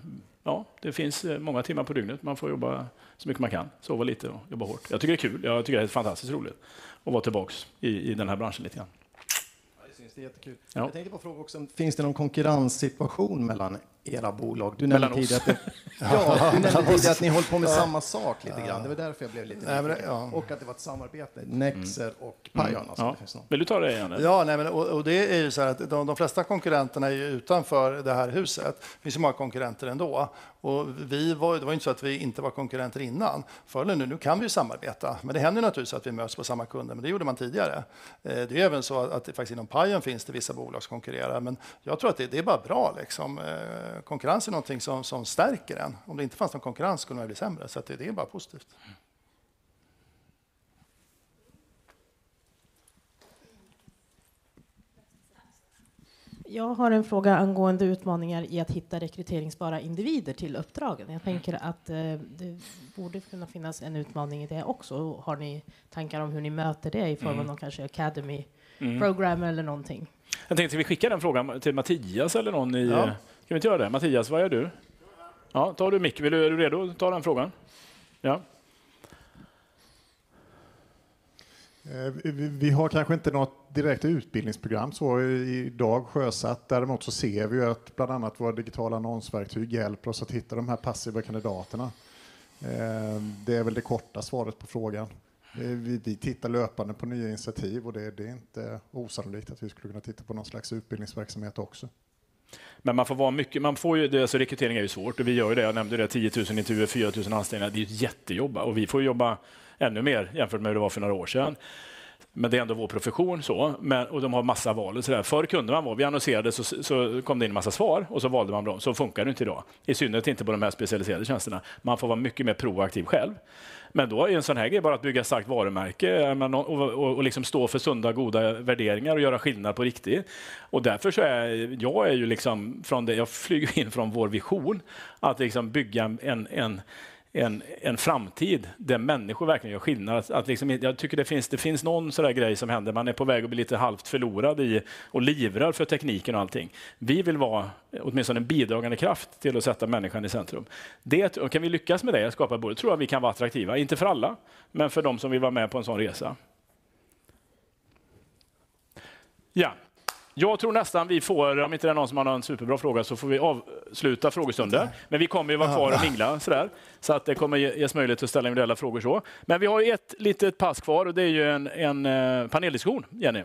Ja, det finns många timmar på dygnet. Man får jobba så mycket man kan, sova lite och jobba hårt. Jag tycker det är kul. Jag tycker det är fantastiskt roligt att vara tillbaka i den här branschen lite grann. Jag tänkte bara fråga också, finns det någon konkurrenssituation mellan era bolag? Du nämnde tidigare att ni höll på med samma sak lite grann. Det var därför jag blev lite nyfiken. Att det var ett samarbete. Nexer och Pion. Vill du ta det Janne? Det är ju såhär att de flesta konkurrenterna är utanför det här huset. Vi har så många konkurrenter ändå. Det var inte så att vi inte var konkurrenter innan. Förr eller nu kan vi samarbeta. Det händer naturligtvis att vi möts på samma kunder, men det gjorde man tidigare. Det är även så att det faktiskt inom Pion finns det vissa bolag som konkurrerar, men jag tror att det är bara bra liksom. Konkurrens är någonting som stärker en. Om det inte fanns någon konkurrens skulle man bli sämre. Det är bara positivt. Jag har en fråga angående utmaningar i att hitta rekryteringsbara individer till uppdragen. Jag tänker att det borde kunna finnas en utmaning i det också. Har ni tankar om hur ni möter det i form av någon kanske Academy program eller någonting? Jag tänkte vi skickar den frågan till Mattias eller någon. Ska vi inte göra det? Mattias, var är du? Ja, ta du micken. Är du redo att ta den frågan? Ja. Vi har kanske inte något direkt utbildningsprogram så i dag sjösatt. Däremot så ser vi att bland annat våra digitala annonsverktyg hjälper oss att hitta de här passiva kandidaterna. Det är väl det korta svaret på frågan. Vi tittar löpande på nya initiativ och det är inte osannolikt att vi skulle kunna titta på någon slags utbildningsverksamhet också. Man får vara mycket, man får ju, rekrytering är ju svårt. Vi gör ju det. Jag nämnde det, 10,000 intervjuer, 4,000 anställda. Det är ett jättejobb och vi får jobba ännu mer jämfört med hur det var för några år sedan. Det är ändå vår profession så. De har massa val och sådär. Förr kunde man vara, vi annonserade så kom det in en massa svar och så valde man dem. Så funkar det inte i dag. I synnerhet inte på de här specialiserade tjänsterna. Man får vara mycket mer proaktiv själv. Då är en sådan här grej, bara att bygga starkt varumärke och stå för sunda goda värderingar och göra skillnad på riktigt. Därför så är jag ju, jag flyger in från vår vision att bygga en framtid där människor verkligen gör skillnad. Att jag tycker det finns någon sådär grej som händer. Man är på väg att bli lite halvt förlorad och livrädd för tekniken och allting. Vi vill vara åtminstone en bidragande kraft till att sätta människan i centrum. Det kan vi lyckas med det, skapa både tror jag vi kan vara attraktiva. Inte för alla, men för de som vill vara med på en sådan resa. Ja, jag tror nästan vi får, om inte det är någon som har en superbra fråga, så får vi avsluta frågestunden. Vi kommer att vara kvar och mingla sådär. Så att det kommer ges möjlighet att ställa individuella frågor så. Vi har ett litet pass kvar och det är ju en paneldiskussion. Jenny.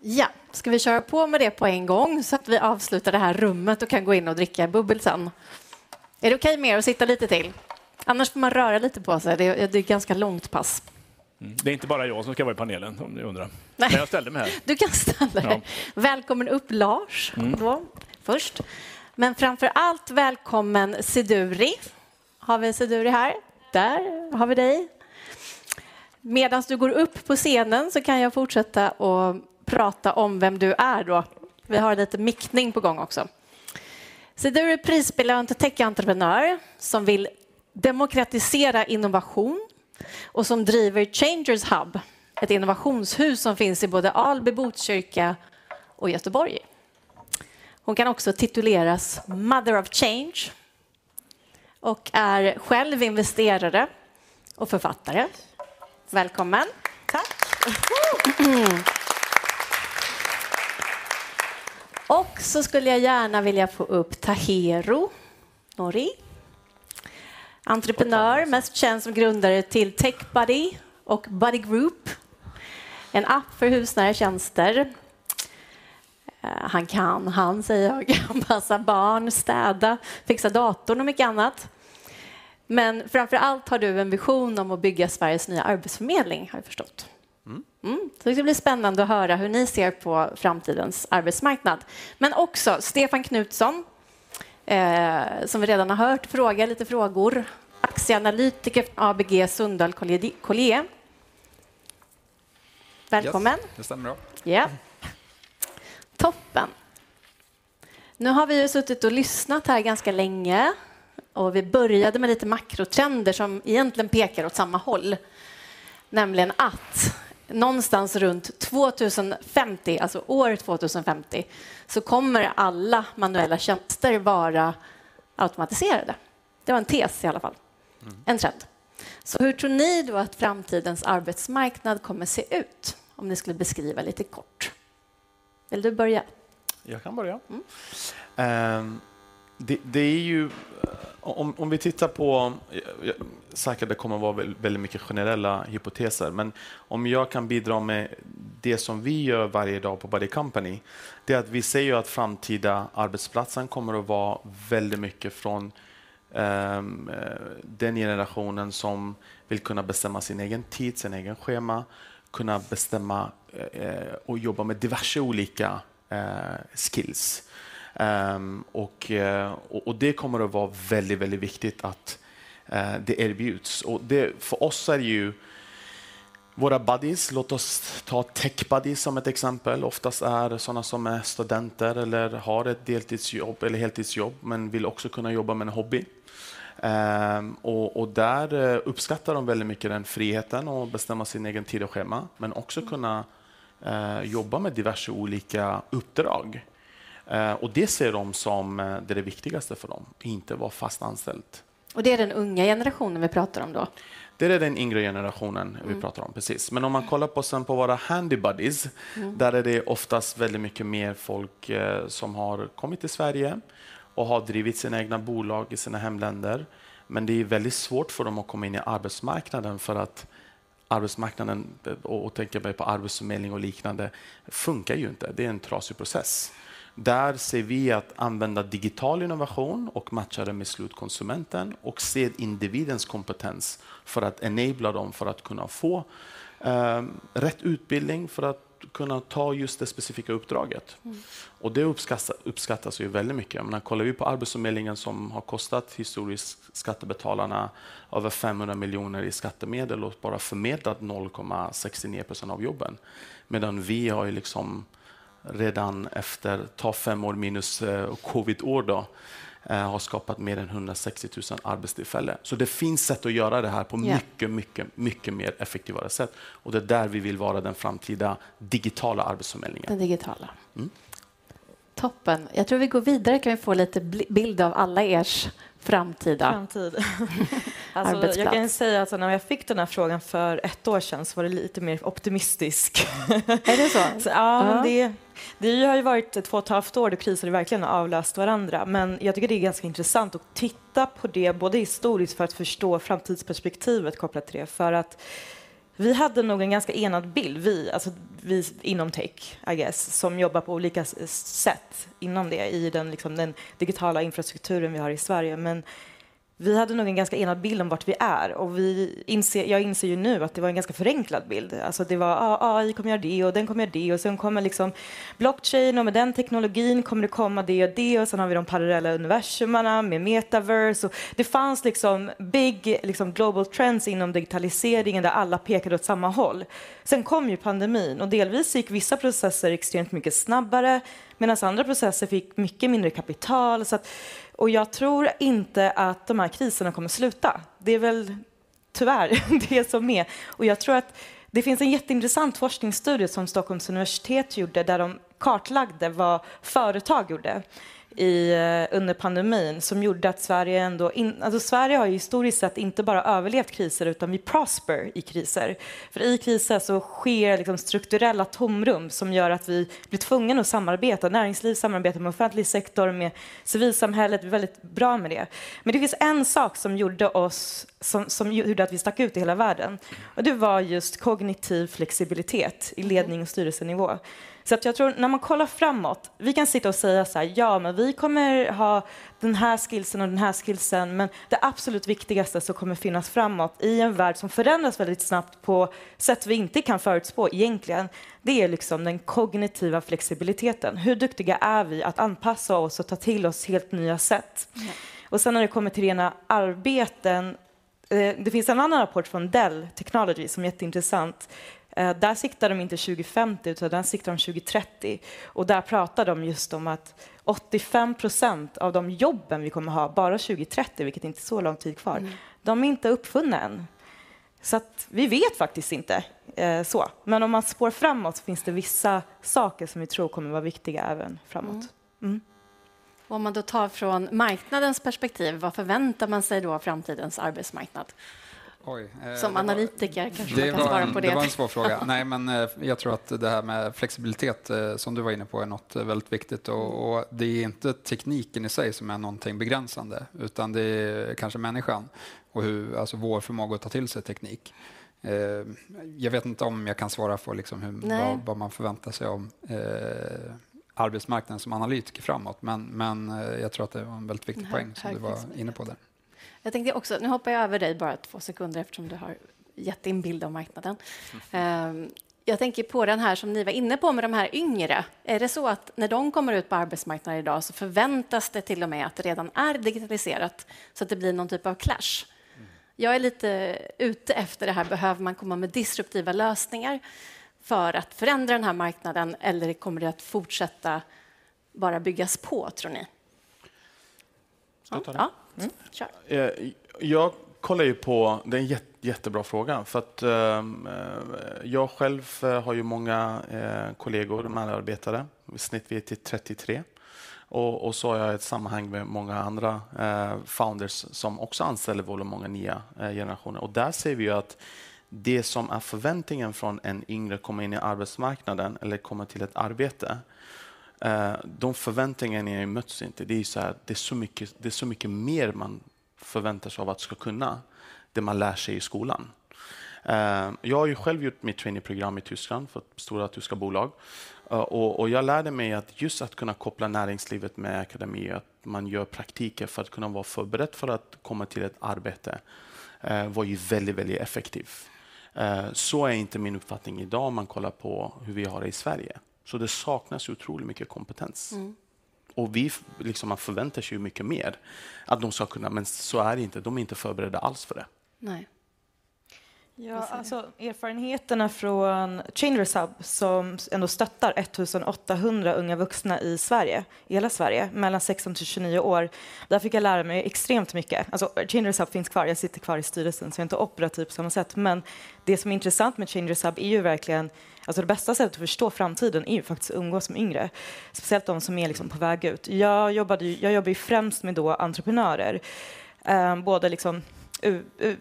Ja, ska vi köra på med det på en gång så att vi avslutar det här rummet och kan gå in och dricka bubbel sen. Är det okej med er att sitta lite till? Annars får man röra lite på sig. Det är ett ganska långt pass. Det är inte bara jag som ska vara i panelen om ni undrar. Jag ställde mig här. Du kan ställa dig. Välkommen upp Lars då först. Framför allt välkommen Siduri. Har vi Siduri här? Där har vi dig. Medans du går upp på scenen så kan jag fortsätta att prata om vem du är då. Vi har lite mickning på gång också. Siduri är prisbelönt tech-entreprenör som vill demokratisera innovation och som driver Changers Hub, ett innovationshus som finns i både Alby, Botkyrka och Göteborg. Hon kan också tituleras Mother of Change och är själv investerare och författare. Välkommen, tack. Skulle jag gärna vilja få upp Tahero Nouri. Entreprenör, mest känd som grundare till TechBuddy och BuddyCompany. En app för husnära tjänster. Han kan, han säger, passa barn, städa, fixa datorn och mycket annat. Framför allt har du en vision om att bygga Sveriges nya arbetsförmedling har jag förstått. Det ska bli spännande att höra hur ni ser på framtidens arbetsmarknad. Stefan Knutsson, som vi redan har hört fråga lite frågor. Aktieanalytiker ABG Sundal Collier. Välkommen. Det stämmer bra. Ja. Toppen. Nu har vi suttit och lyssnat här ganska länge och vi började med lite makrotrender som egentligen pekar åt samma håll. Nämligen att någonstans runt 2050, alltså år 2050, så kommer alla manuella tjänster vara automatiserade. Det var en tes i alla fall, en trend. Så hur tror ni då att framtidens arbetsmarknad kommer se ut om ni skulle beskriva lite kort? Vill du börja? Jag kan börja. Det är ju, om vi tittar på, säkert det kommer att vara väldigt mycket generella hypoteser, men om jag kan bidra med det som vi gör varje dag på BuddyCompany, det är att vi ser ju att framtida arbetsplatsen kommer att vara väldigt mycket från den generationen som vill kunna bestämma sin egen tid, sin egen schema, kunna bestämma och jobba med diverse olika skills. Det kommer att vara väldigt viktigt att det erbjuds. Det för oss är det ju våra buddies. Låt oss ta TechBuddy som ett exempel. Oftast är det sådana som är studenter eller har ett deltidsjobb eller heltidsjobb, men vill också kunna jobba med en hobby. Där uppskattar de väldigt mycket den friheten att bestämma sin egen tid och schema, men också kunna jobba med diverse olika uppdrag. Det ser de som det viktigaste för dem, inte vara fast anställd. Det är den unga generationen vi pratar om då? Det är den yngre generationen vi pratar om, precis. Om man kollar på sen på våra handy buddies, där är det oftast väldigt mycket mer folk som har kommit till Sverige och har drivit sina egna bolag i sina hemländer. Det är väldigt svårt för dem att komma in i arbetsmarknaden för att arbetsmarknaden, och tänker mig på arbetsförmedling och liknande, funkar ju inte. Det är en trasig process. Där ser vi att använda digital innovation och matcha den med slutkonsumenten och se individens kompetens för att enable dem för att kunna få rätt utbildning för att kunna ta just det specifika uppdraget. Det uppskattas ju väldigt mycket. Kollar vi på Arbetsförmedlingen som har kostat historiskt skattebetalarna över 500 miljoner i skattemedel och bara förmedlat 0.69% av jobben. Medan vi har ju liksom redan efter att 5 år minus covidår då, har skapat mer än 160,000 arbetstillfällen. Så det finns sätt att göra det här på mycket, mycket mer effektivare sätt. Det är där vi vill vara den framtida digitala arbetsförmedlingen. Toppen. Jag tror vi går vidare. Kan vi få lite bild av alla areas framtida arbetsplatser. Jag kan säga att när jag fick den här frågan för ett år sedan så var det lite mer optimistisk. Är det så? Ja, det har ju varit två och ett halvt år då kriser verkligen har avlöst varandra. Jag tycker det är ganska intressant att titta på det både historiskt för att förstå framtidsperspektivet kopplat till det. För att vi hade nog en ganska enad bild. Vi, alltså vi inom tech, I guess, som jobbar på olika sätt inom det, i den liksom den digitala infrastrukturen vi har i Sverige. Vi hade nog en ganska enad bild om vart vi är och vi inser, jag inser ju nu att det var en ganska förenklad bild. Alltså, det var AI kommer att göra det och den kommer att göra det. Och sen kommer liksom blockchain och med den teknologin kommer det och det. Och sen har vi de parallella universumarna med Metaverse. Och det fanns liksom big global trends inom digitaliseringen där alla pekade åt samma håll. Kom ju pandemin och delvis gick vissa processer extremt mycket snabbare medan andra processer fick mycket mindre kapital. Jag tror inte att de här kriserna kommer sluta. Det är väl tyvärr det som är. Jag tror att det finns en jätteintressant forskningsstudie som Stockholms universitet gjorde där de kartlade vad företag gjorde under pandemin som gjorde att Sverige ändå. Sverige har ju historiskt sett inte bara överlevt kriser utan vi prosper i kriser. För i kriser så sker liksom strukturella tomrum som gör att vi blir tvungen att samarbeta. Näringsliv samarbetar med offentlig sektor, med civilsamhället. Vi är väldigt bra med det. Det finns en sak som gjorde oss, som gjorde att vi stack ut i hela världen och det var just kognitiv flexibilitet i ledning och styrelsenivå. Att jag tror när man kollar framåt, vi kan sitta och säga såhär, ja men vi kommer ha den här skillsen och den här skillsen. Men det absolut viktigaste som kommer finnas framåt i en värld som förändras väldigt snabbt på sätt vi inte kan förutspå egentligen, det är liksom den kognitiva flexibiliteten. Hur duktiga är vi att anpassa oss och ta till oss helt nya sätt? Och sen när det kommer till rena arbeten, det finns en annan rapport från Dell Technologies som är jätteintressant. Där siktar de inte 2050, utan där siktar de 2030. Och där pratar de just om att 85% av de jobben vi kommer att ha bara 2030, vilket inte är så lång tid kvar, de är inte uppfunna än. Att vi vet faktiskt inte så. Om man spår framåt så finns det vissa saker som vi tror kommer vara viktiga även framåt. Om man då tar från marknadens perspektiv, vad förväntar man sig då av framtidens arbetsmarknad? Oj. Som analytiker kanske du kan svara på det. Det var en svår fråga. Nej, men jag tror att det här med flexibilitet som du var inne på är något väldigt viktigt. Det är inte tekniken i sig som är någonting begränsande, utan det är kanske människan och hur, alltså vår förmåga att ta till sig teknik. Jag vet inte om jag kan svara på liksom hur, vad man förväntar sig om arbetsmarknaden som analytiker framåt, men jag tror att det var en väldigt viktig poäng som du var inne på där. Jag tänker också, nu hoppar jag över dig bara två sekunder eftersom du har gett din bild av marknaden. Jag tänker på den här som ni var inne på med de här yngre. Är det så att när de kommer ut på arbetsmarknaden i dag så förväntas det till och med att det redan är digitaliserat så att det blir någon typ av clash? Jag är lite ute efter det här. Behöver man komma med disruptiva lösningar för att förändra den här marknaden eller kommer det att fortsätta bara byggas på tror ni? Jag kollar ju på, det är en jättebra fråga för att jag själv har ju många kollegor, medarbetare. I snitt vi är till 33 och så har jag ett sammanhang med många andra founders som också anställer många nya generationer. Där ser vi ju att det som är förväntningen från en yngre komma in i arbetsmarknaden eller komma till ett arbete, de förväntningarna möts inte. Det är så här, det är så mycket mer man förväntas av att ska kunna det man lär sig i skolan. Jag har ju själv gjort mitt trainee program i Tyskland för ett stort tyskt bolag och jag lärde mig att just att kunna koppla näringslivet med akademi, att man gör praktiker för att kunna vara förberedd för att komma till ett arbete var ju väldigt effektivt. Så är inte min uppfattning i dag. Man kollar på hur vi har det i Sverige. Det saknas otroligt mycket kompetens. Vi liksom man förväntar sig ju mycket mer att de ska kunna, men så är det inte. De är inte förberedda alls för det. Nej. Ja, alltså erfarenheterna från Changers Hub som ändå stöttar ett 1,800 unga vuxna i Sverige, i hela Sverige, mellan 16 till 29 år. Där fick jag lära mig extremt mycket. Alltså, Changers Hub finns kvar, jag sitter kvar i styrelsen så jag är inte operativ på samma sätt. Men det som är intressant med Changers Hub är ju verkligen, alltså det bästa sättet att förstå framtiden är ju faktiskt att umgås med yngre, speciellt de som är liksom på väg ut. Jag jobbade ju, jag jobbar ju främst med då entreprenörer, både liksom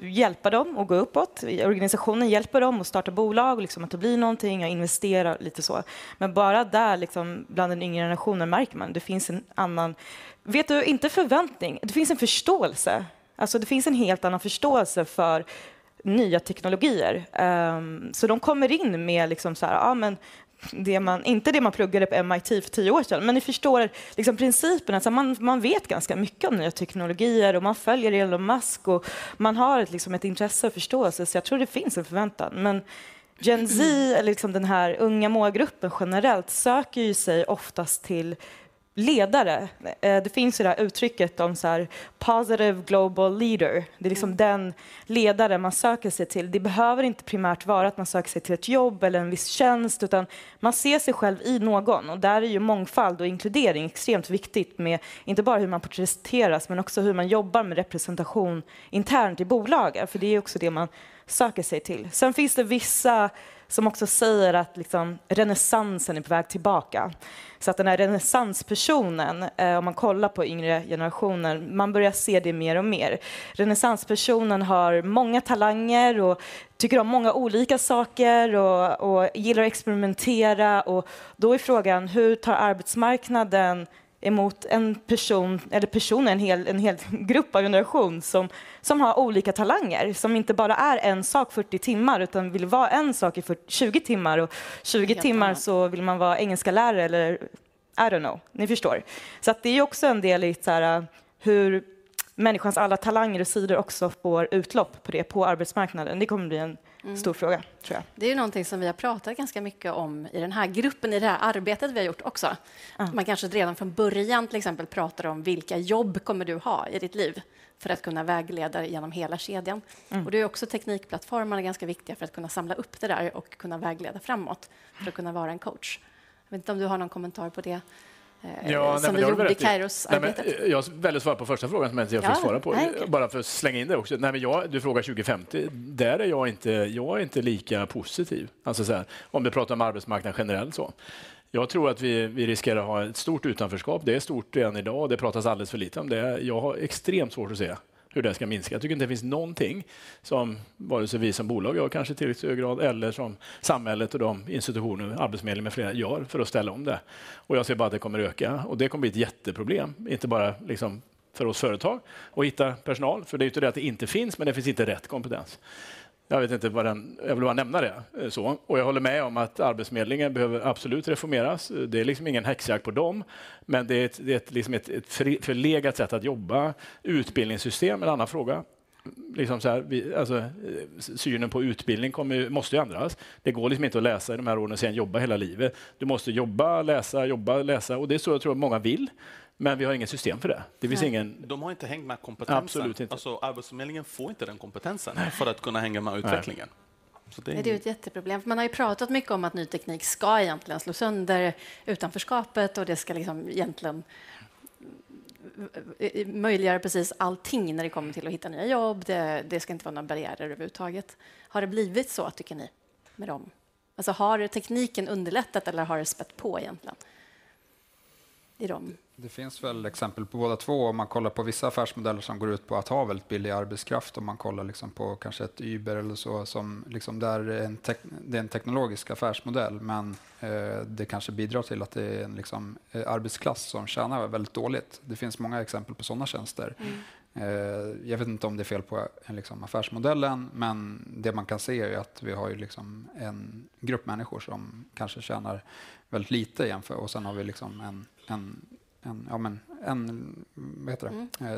hjälpa dem och gå uppåt i organisationen, hjälpa dem att starta bolag, liksom att det blir någonting, jag investerar lite så. Men bara där, liksom bland den yngre generationen märker man, det finns en annan, vet du, inte förväntning, det finns en förståelse. Alltså, det finns en helt annan förståelse för nya teknologier. De kommer in med liksom såhär, ja men inte det man pluggade på MIT för tio år sedan, men ni förstår liksom principen. Alltså man vet ganska mycket om nya teknologier och man följer Elon Musk och man har liksom ett intresse och förståelse. Jag tror det finns en förväntan. Gen Z vi eller liksom den här unga målgruppen generellt söker ju sig oftast till ledare. Det finns ju det här uttrycket om såhär positive global leader. Det är liksom den ledare man söker sig till. Det behöver inte primärt vara att man söker sig till ett jobb eller en viss tjänst, utan man ser sig själv i någon. Där är ju mångfald och inkludering extremt viktigt med inte bara hur man porträtteras men också hur man jobbar med representation internt i bolagen. För det är också det man söker sig till. Finns det vissa som också säger att liksom renässansen är på väg tillbaka. Den här renässanspersonen, om man kollar på yngre generationer, man börjar se det mer och mer. Renässanspersonen har många talanger och tycker om många olika saker och gillar att experimentera. Då är frågan, hur tar arbetsmarknaden emot en person eller personer, en hel grupp av generation som har olika talanger, som inte bara är en sak 40 timmar, utan vill vara en sak i 40, 20 timmar. 20 timmar så vill man vara engelsklärare eller I don't know. Ni förstår. Det är också en del i såhär hur människans alla talanger och sidor också får utlopp på det på arbetsmarknaden. Det kommer att bli en stor fråga tror jag. Det är någonting som vi har pratat ganska mycket om i den här gruppen, i det här arbetet vi har gjort också. Att man kanske redan från början till exempel pratar om vilka jobb kommer du ha i ditt liv för att kunna vägleda igenom hela kedjan. Det är också teknikplattformarna ganska viktiga för att kunna samla upp det där och kunna vägleda framåt för att kunna vara en coach. Jag vet inte om du har någon kommentar på det, som vi gjorde i Kairosarbetet. Jag väljer att svara på första frågan som jag inte har fått svara på. Bara för att slänga in det också. Du frågar 2050. Där är jag inte lika positiv. Alltså såhär, om vi pratar om arbetsmarknaden generellt så. Jag tror att vi riskerar att ha ett stort utanförskap. Det är stort redan i dag. Det pratas alldeles för lite om det. Jag har extremt svårt att se hur det ska minska. Jag tycker inte det finns någonting som vare sig vi som bolag gör kanske i tillräckligt hög grad eller som samhället och de institutioner, Arbetsförmedlingen med flera, gör för att ställa om det. Jag ser bara att det kommer öka och det kommer bli ett jätteproblem. Inte bara liksom för oss företag att hitta personal, för det är inte det att det inte finns, men det finns inte rätt kompetens. Jag vet inte var den, jag vill bara nämna det. Jag håller med om att Arbetsförmedlingen behöver absolut reformeras. Det är liksom ingen häxjakt på dem, men det är liksom ett förlegat sätt att jobba. Utbildningssystem är en annan fråga. Liksom såhär, alltså synen på utbildning kommer ju, måste ju ändras. Det går liksom inte att läsa i de här åren och sen jobba hela livet. Du måste jobba, läsa, jobba, läsa och det är så jag tror att många vill. Vi har inget system för det. Det finns ingen. De har inte hängt med kompetensen. Absolut inte. Arbetsförmedlingen får inte den kompetensen för att kunna hänga med utvecklingen. Det är ju ett jätteproblem. Man har ju pratat mycket om att ny teknik ska egentligen slå sönder utanförskapet och det ska liksom egentligen möjliggöra precis allting när det kommer till att hitta nya jobb. Det ska inte vara några barriärer överhuvudtaget. Har det blivit så tycker ni med dem? Alltså har tekniken underlättat eller har det spätt på egentligen i dem? Det finns väl exempel på båda två. Om man kollar på vissa affärsmodeller som går ut på att ha väldigt billig arbetskraft. Om man kollar liksom på kanske ett Uber eller så som liksom där det är en teknologisk affärsmodell. Men det kanske bidrar till att det är en liksom arbetsklass som tjänar väldigt dåligt. Det finns många exempel på sådana tjänster. Jag vet inte om det är fel på liksom affärsmodellen, men det man kan se är ju att vi har ju liksom en grupp människor som kanske tjänar väldigt lite jämfört. Sen har vi liksom en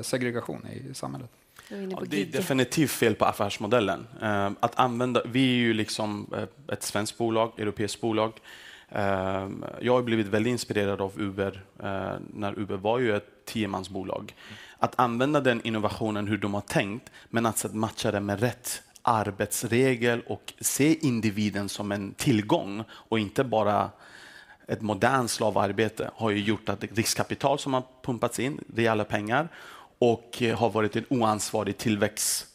segregation i samhället. Det är definitivt fel på affärsmodellen. Att använda, vi är ju liksom ett svenskt bolag, europeiskt bolag. Jag har blivit väldigt inspirerad av Uber när Uber var ju ett 10-mansbolag. Att använda den innovationen hur de har tänkt, men att matcha det med rätt arbetsregel och se individen som en tillgång och inte bara ett modernt slavarbete har ju gjort att riskkapital som har pumpats in, det är alla pengar, och har varit en oansvarig tillväxt,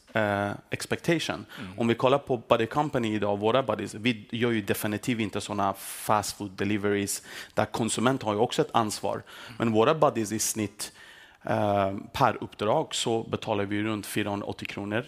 expectation. Om vi kollar på BuddyCompany i dag, våra buddies, vi gör ju definitivt inte sådana fast food deliveries. Där konsument har ju också ett ansvar. Men våra buddies i snitt per uppdrag så betalar vi runt 480 kronor.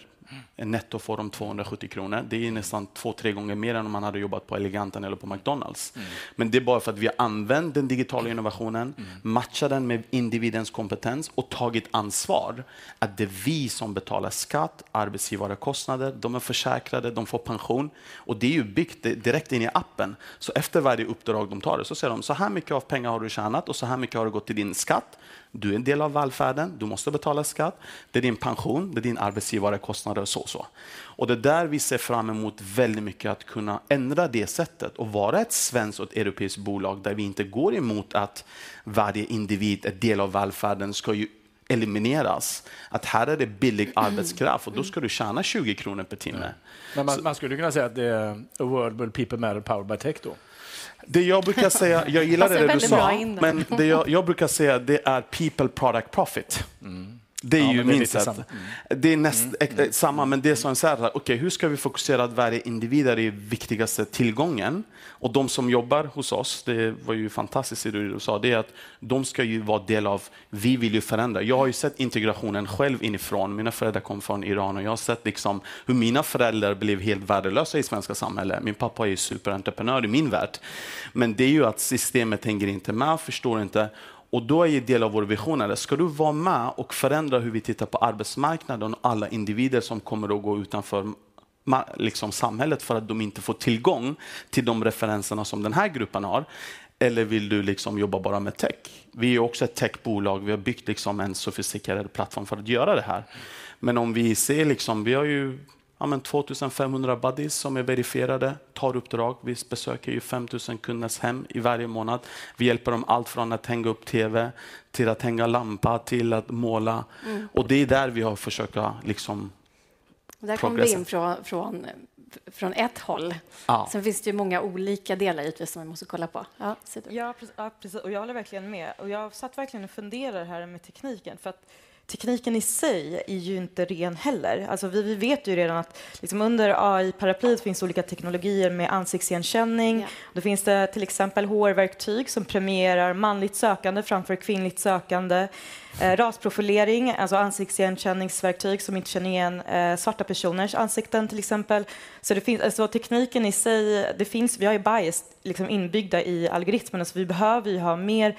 Netto får de 270 kronor. Det är nästan två, tre gånger mer än om man hade jobbat på Eleganten eller på McDonald's. Det är bara för att vi har använt den digitala innovationen, matchat den med individens kompetens och tagit ansvar. Att det är vi som betalar skatt, arbetsgivarkostnader, de är försäkrade, de får pension. Det är ju byggt direkt in i appen. Efter varje uppdrag de tar det så ser de såhär mycket av pengar har du tjänat och såhär mycket har det gått i din skatt. Du är en del av välfärden, du måste betala skatt, det är din pension, det är din arbetsgivarekostnad och så. Det är där vi ser fram emot väldigt mycket att kunna ändra det sättet och vara ett svenskt och ett europeiskt bolag där vi inte går emot att varje individ, en del av välfärden, ska ju elimineras. Här är det billig arbetskraft och då ska du tjäna 20 kronor per timme. Man skulle kunna säga att det är a world where people matter powered by tech då. Det jag brukar säga, jag gillar det du sa, men det jag brukar säga, det är people, product, profit. Det är ju minst samma. Det är näst intill samma, men det är som såhär, okej, hur ska vi fokusera att varje individ är den viktigaste tillgången. De som jobbar hos oss, det var ju fantastiskt det du sa, det att de ska ju vara del av, vi vill ju förändra. Jag har ju sett integrationen själv inifrån. Mina föräldrar kom från Iran och jag har sett liksom hur mina föräldrar blev helt värdelösa i svenska samhället. Min pappa är ju superentreprenör i min värld, men det är ju att systemet hänger inte med och förstår inte. Då är ju del av vår vision det där. Ska du vara med och förändra hur vi tittar på arbetsmarknaden och alla individer som kommer att gå utanför, liksom samhället för att de inte får tillgång till de referenserna som den här gruppen har? Eller vill du liksom jobba bara med tech? Vi är också ett techbolag. Vi har byggt liksom en sofistikerad plattform för att göra det här. Men om vi ser liksom, vi har ju 2,500 buddies som är verifierade tar uppdrag. Vi besöker ju 5,000 kunders hem i varje månad. Vi hjälper dem allt från att hänga upp tv till att hänga lampa till att måla. Det är där vi har försökt liksom progressa. Där kom det in från ett håll. Finns det många olika delar givetvis som vi måste kolla på. Ja, Siduri. Ja, precis. Jag håller verkligen med. Jag satt verkligen och funderade det här med tekniken. För att tekniken i sig är ju inte ren heller. Alltså vi vet ju redan att under AI-paraplyet finns olika teknologier med ansiktsigenkänning. Då finns det till exempel HR-verktyg som premierar manligt sökande framför kvinnligt sökande. Rasprofilering, alltså ansiktsigenkänningsverktyg som inte känner igen svarta personers ansikten, till exempel. Det finns, alltså tekniken i sig, vi har ju bias liksom inbyggda i algoritmerna. Vi behöver ju ha mer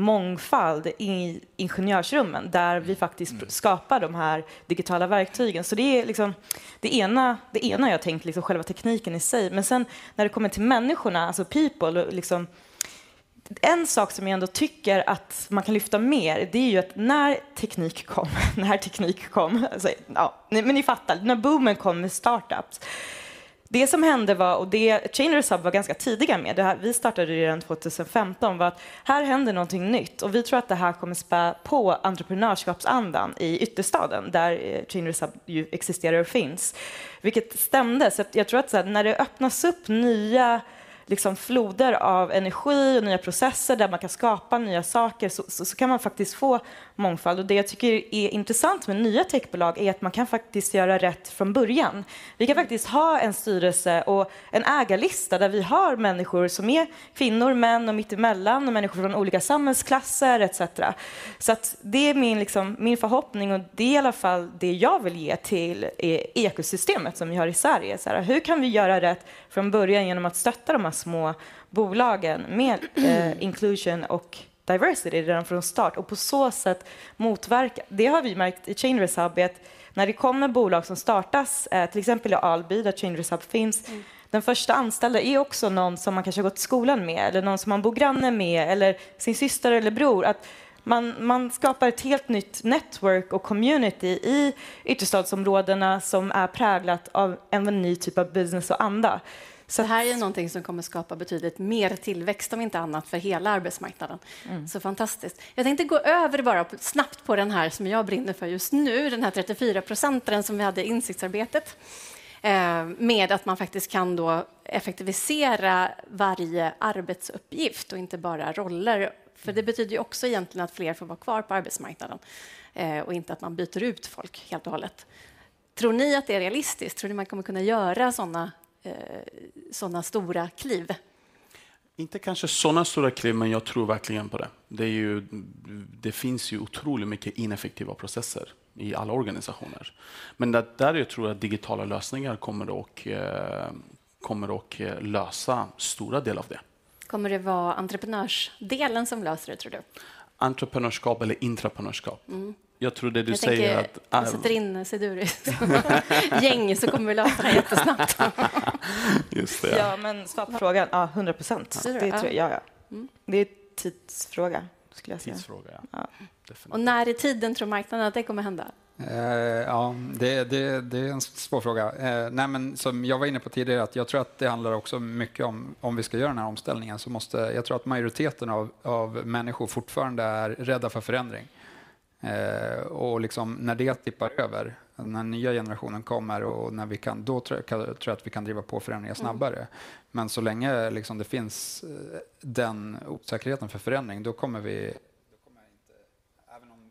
mångfald i ingenjörsrummen där vi faktiskt skapar de här digitala verktygen. Det är liksom det ena jag tänkt, själva tekniken i sig. Sen när det kommer till människorna, alltså people, liksom. En sak som jag ändå tycker att man kan lyfta mer, det är ju att när teknik kom, ja, ni fattar. När boomen kom med startups. Det som hände var, och det Changers Hub var ganska tidiga med. Vi startade ju redan 2015, var att här händer någonting nytt och vi tror att det här kommer spä på entreprenörskapsandan i ytterstaden där Changers Hub ju existerar och finns, vilket stämde. Så jag tror att när det öppnas upp nya, liksom floder av energi och nya processer där man kan skapa nya saker, så kan man faktiskt få mångfald. Och det jag tycker är intressant med nya techbolag är att man kan faktiskt göra rätt från början. Vi kan faktiskt ha en styrelse och en ägarlista där vi har människor som är kvinnor, män och mittemellan och människor från olika samhällsklasser et cetera. Så att det är min, liksom min förhoppning och det är i alla fall det jag vill ge till ekosystemet som vi har i Sverige. Hur kan vi göra rätt från början genom att stötta de här små bolagen med inclusion och diversity redan från start och på så sätt motverka. Det har vi märkt i Changers Hub att när det kommer bolag som startas, till exempel i Alby, där Changers Hub finns. Den första anställde är också någon som man kanske har gått skolan med eller någon som man bor granne med eller sin syster eller bror. Att man skapar ett helt nytt network och community i ytterstadsområdena som är präglat av en ny typ av business och anda. Det här är någonting som kommer att skapa betydligt mer tillväxt om inte annat för hela arbetsmarknaden. Fantastiskt. Jag tänkte gå över bara snabbt på den här som jag brinner för just nu, den här 34-procentaren som vi hade i insiktsarbetet. Med att man faktiskt kan då effektivisera varje arbetsuppgift och inte bara roller. För det betyder ju också egentligen att fler får vara kvar på arbetsmarknaden och inte att man byter ut folk helt och hållet. Tror ni att det är realistiskt? Tror ni man kommer kunna göra sådana stora kliv? Inte kanske sådana stora kliv, men jag tror verkligen på det. Det är ju, det finns ju otroligt mycket ineffektiva processer i alla organisationer. Där tror jag digitala lösningar kommer att lösa stora delar av det. Kommer det vara entreprenörsdelen som löser det tror du? Entreprenörskap eller intraprenörskap. Jag trodde du säger att Jag tänker att jag sätter in Siduri's gäng så kommer vi lösa det jättesnabbt. Just det. Ja, men svara på frågan. Ja, 100%. Det tror jag. Det är tidsfråga skulle jag säga. Tidsfråga, ja. När i tiden tror marknaden att det kommer hända? Ja, det är en svår fråga. Nej men som jag var inne på tidigare att jag tror att det handlar också mycket om vi ska göra den här omställningen så måste jag tror att majoriteten av människor fortfarande är rädda för förändring. Liksom när det tippar över, när nya generationen kommer och när vi kan, då tror jag att vi kan driva på förändringar snabbare. Så länge, liksom det finns den osäkerheten för förändring, då kommer vi, då kommer jag inte, även om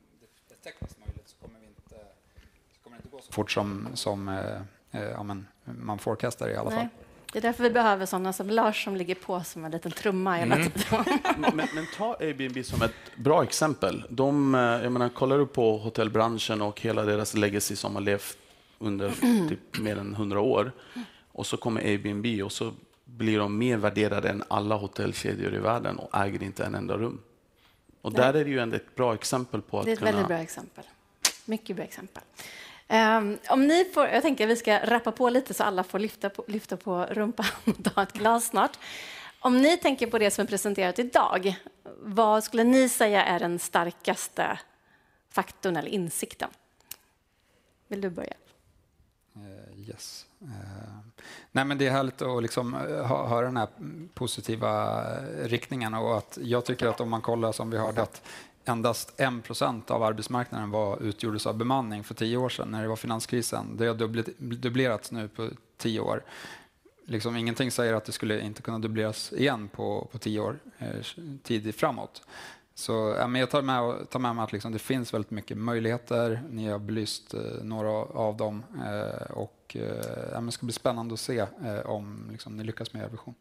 det är tekniskt möjligt, så kommer vi inte, det kommer inte gå så fort som ja men man förutsätter i alla fall. Nej, det är därför vi behöver sådana som Lars som ligger på som en liten trumma hela tiden. Ta Airbnb som ett bra exempel. De, jag menar kollar du på hotellbranschen och hela deras legacy som har levt under mer än hundra år. Så kommer Airbnb och så blir de mer värderade än alla hotellkedjor i världen och äger inte en enda rum. Där är det ju ändå ett bra exempel på att kunna- Det är ett väldigt bra exempel. Mycket bra exempel. Om ni får, jag tänker vi ska rappa på lite så alla får lyfta på rumpan och ta ett glas snart. Om ni tänker på det som är presenterat i dag, vad skulle ni säga är den starkaste faktorn eller insikten? Vill du börja? Yes. Nej, men det är härligt att liksom höra den här positiva riktningen och att jag tycker att om man kollar som vi hörde att endast 1% av arbetsmarknaden var utgjordes av bemanning för 10 år sedan när det var finanskrisen. Det har dubblerats nu på 10 år. Liksom ingenting säger att det skulle inte kunna dubbleras igen på 10 år tid framåt. Jag tar med mig att det finns väldigt mycket möjligheter. Ni har belyst några av dem och ja men det ska bli spännande att se om ni lyckas med er vision.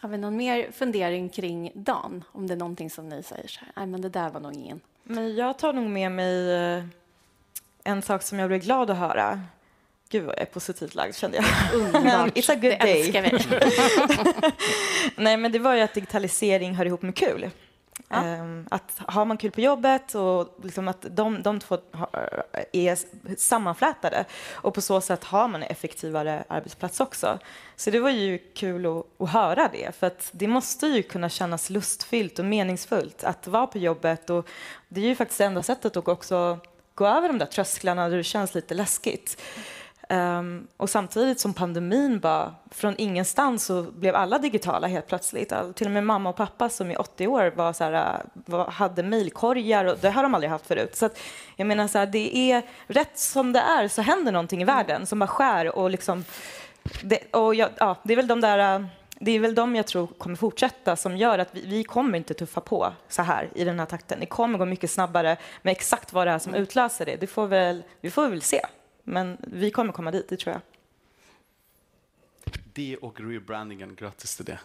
Har vi någon mer fundering kring dagen? Om det är någonting som ni säger såhär, nej men det där var nog ingen. Nej, jag tar nog med mig en sak som jag blev glad att höra. Gud, vad jag är positivt lagd kände jag. It's a good day. Nej, det var ju att digitalisering hör ihop med kul. Att har man kul på jobbet och liksom att de två är sammanflätade och på så sätt har man en effektivare arbetsplats också. Det var ju kul att höra det för att det måste ju kunna kännas lustfyllt och meningsfullt att vara på jobbet. Det är ju faktiskt enda sättet att också gå över de där trösklarna då det känns lite läskigt. Samtidigt som pandemin var från ingenstans så blev alla digitala helt plötsligt. Till och med mamma och pappa som i 80 år var såhär, hade mejlkorgar och det här har de aldrig haft förut. Att jag menar såhär, det är rätt som det är så händer någonting i världen som bara skär och liksom. Ja, det är väl de där, det är väl dem jag tror kommer fortsätta som gör att vi kommer inte tuffa på såhär i den här takten. Det kommer gå mycket snabbare med exakt vad det är som utlöser det. Det får väl, vi får väl se, men vi kommer komma dit tror jag. Det och rebrandingen, grattis till det.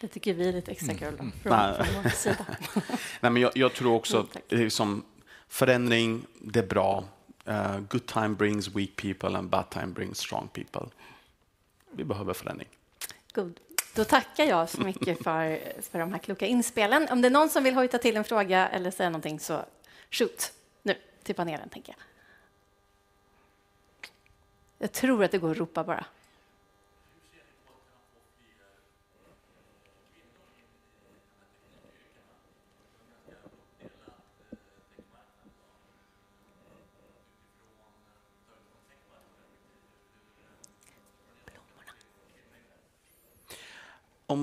Det tycker vi är lite extra guld från vår sida. Nej men jag tror också liksom förändring, det är bra. Good time brings weak people and bad time brings strong people. Vi behöver förändring. Good. Då tackar jag så mycket för de här kloka inspelen. Om det är någon som vill hojta till en fråga eller säga någonting så shoot nu till panelen tänker jag. Jag tror att det går att ropa bara.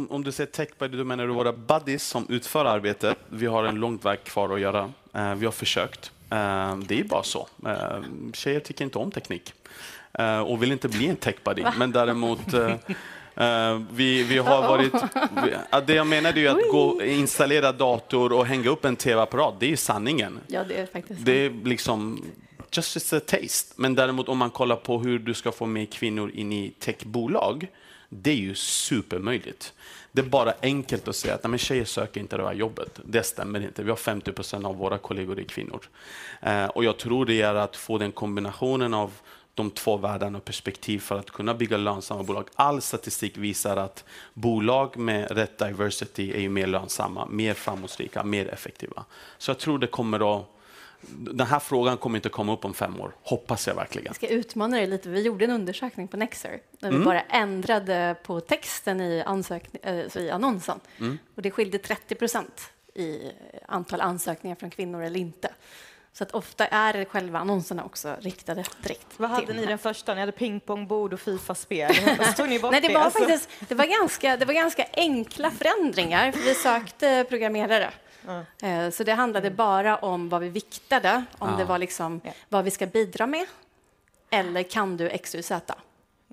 Om du säger TechBuddy, då menar du våra buddies som utför arbetet. Vi har en lång väg kvar att göra. Vi har försökt. Det är bara så. Tjejer tycker inte om teknik och vill inte bli en TechBuddy. Däremot vi har varit. Ja, det jag menar är ju att gå och installera dator och hänga upp en TV-apparat, det är ju sanningen. Ja, det är faktiskt så. Det är liksom just it's a taste. Men däremot om man kollar på hur du ska få mer kvinnor in i techbolag, det är ju supermöjligt. Det är bara enkelt att säga att nej men tjejer söker inte det här jobbet. Det stämmer inte. Vi har 50% av våra kollegor är kvinnor. Och jag tror det är att få den kombinationen av de två världarna och perspektiv för att kunna bygga lönsamma bolag. All statistik visar att bolag med rätt diversity är mer lönsamma, mer framgångsrika, mer effektiva. Så jag tror det kommer att, den här frågan kommer inte komma upp om fem år. Hoppas jag verkligen. Jag ska utmana dig lite. Vi gjorde en undersökning på Nexer där vi bara ändrade på texten i ansök, i annonsen och det skilde 30% i antal ansökningar från kvinnor eller inte. Så att ofta är det själva annonserna också riktade rätt direkt. Vad hade ni den första? Ni hade pingpongbord och FIFA-spel. Tog ni bort det också? Nej, det var faktiskt, det var ganska enkla förändringar för vi sökte programmerare. Det handlade bara om vad vi viktade, om det var liksom vad vi ska bidra med eller kan du X, Y, Z.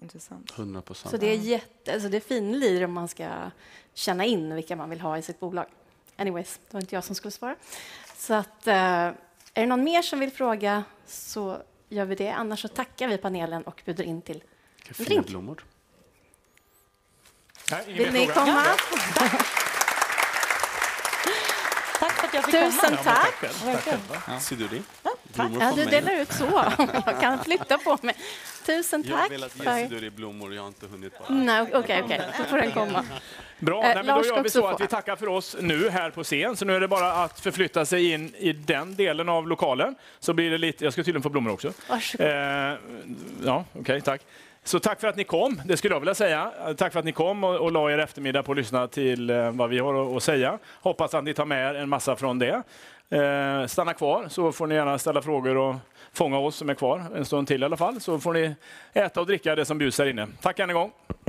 Intressant. 100%. Det är jätte, alltså det är finlir om man ska känna in vilka man vill ha i sitt bolag. Anyways, det var inte jag som skulle svara. Är det någon mer som vill fråga så gör vi det. Annars så tackar vi panelen och bjuder in till kaffe och blommor. Vill ni komma? Tack. Tack för att jag fick komma. Tusen tack. Tack själv. Siduri. Ja, du delar ut så. Jag kan flytta på mig. Tusen tack. Jag vill att ge Siduri blommor. Jag har inte hunnit bara. Nej okej, då får den komma. Bra, nej men då gör vi så att vi tackar för oss nu här på scen. Nu är det bara att förflytta sig in i den delen av lokalen. Blir det lite, jag ska tydligen få blommor också. Varsågod. Ja, okej, tack. Tack för att ni kom. Det skulle jag vilja säga. Tack för att ni kom och la er eftermiddag på att lyssna till vad vi har att säga. Hoppas att ni tar med er en massa från det. Stanna kvar så får ni gärna ställa frågor och fånga oss som är kvar en stund till i alla fall. Får ni äta och dricka det som bjuds här inne. Tack än en gång.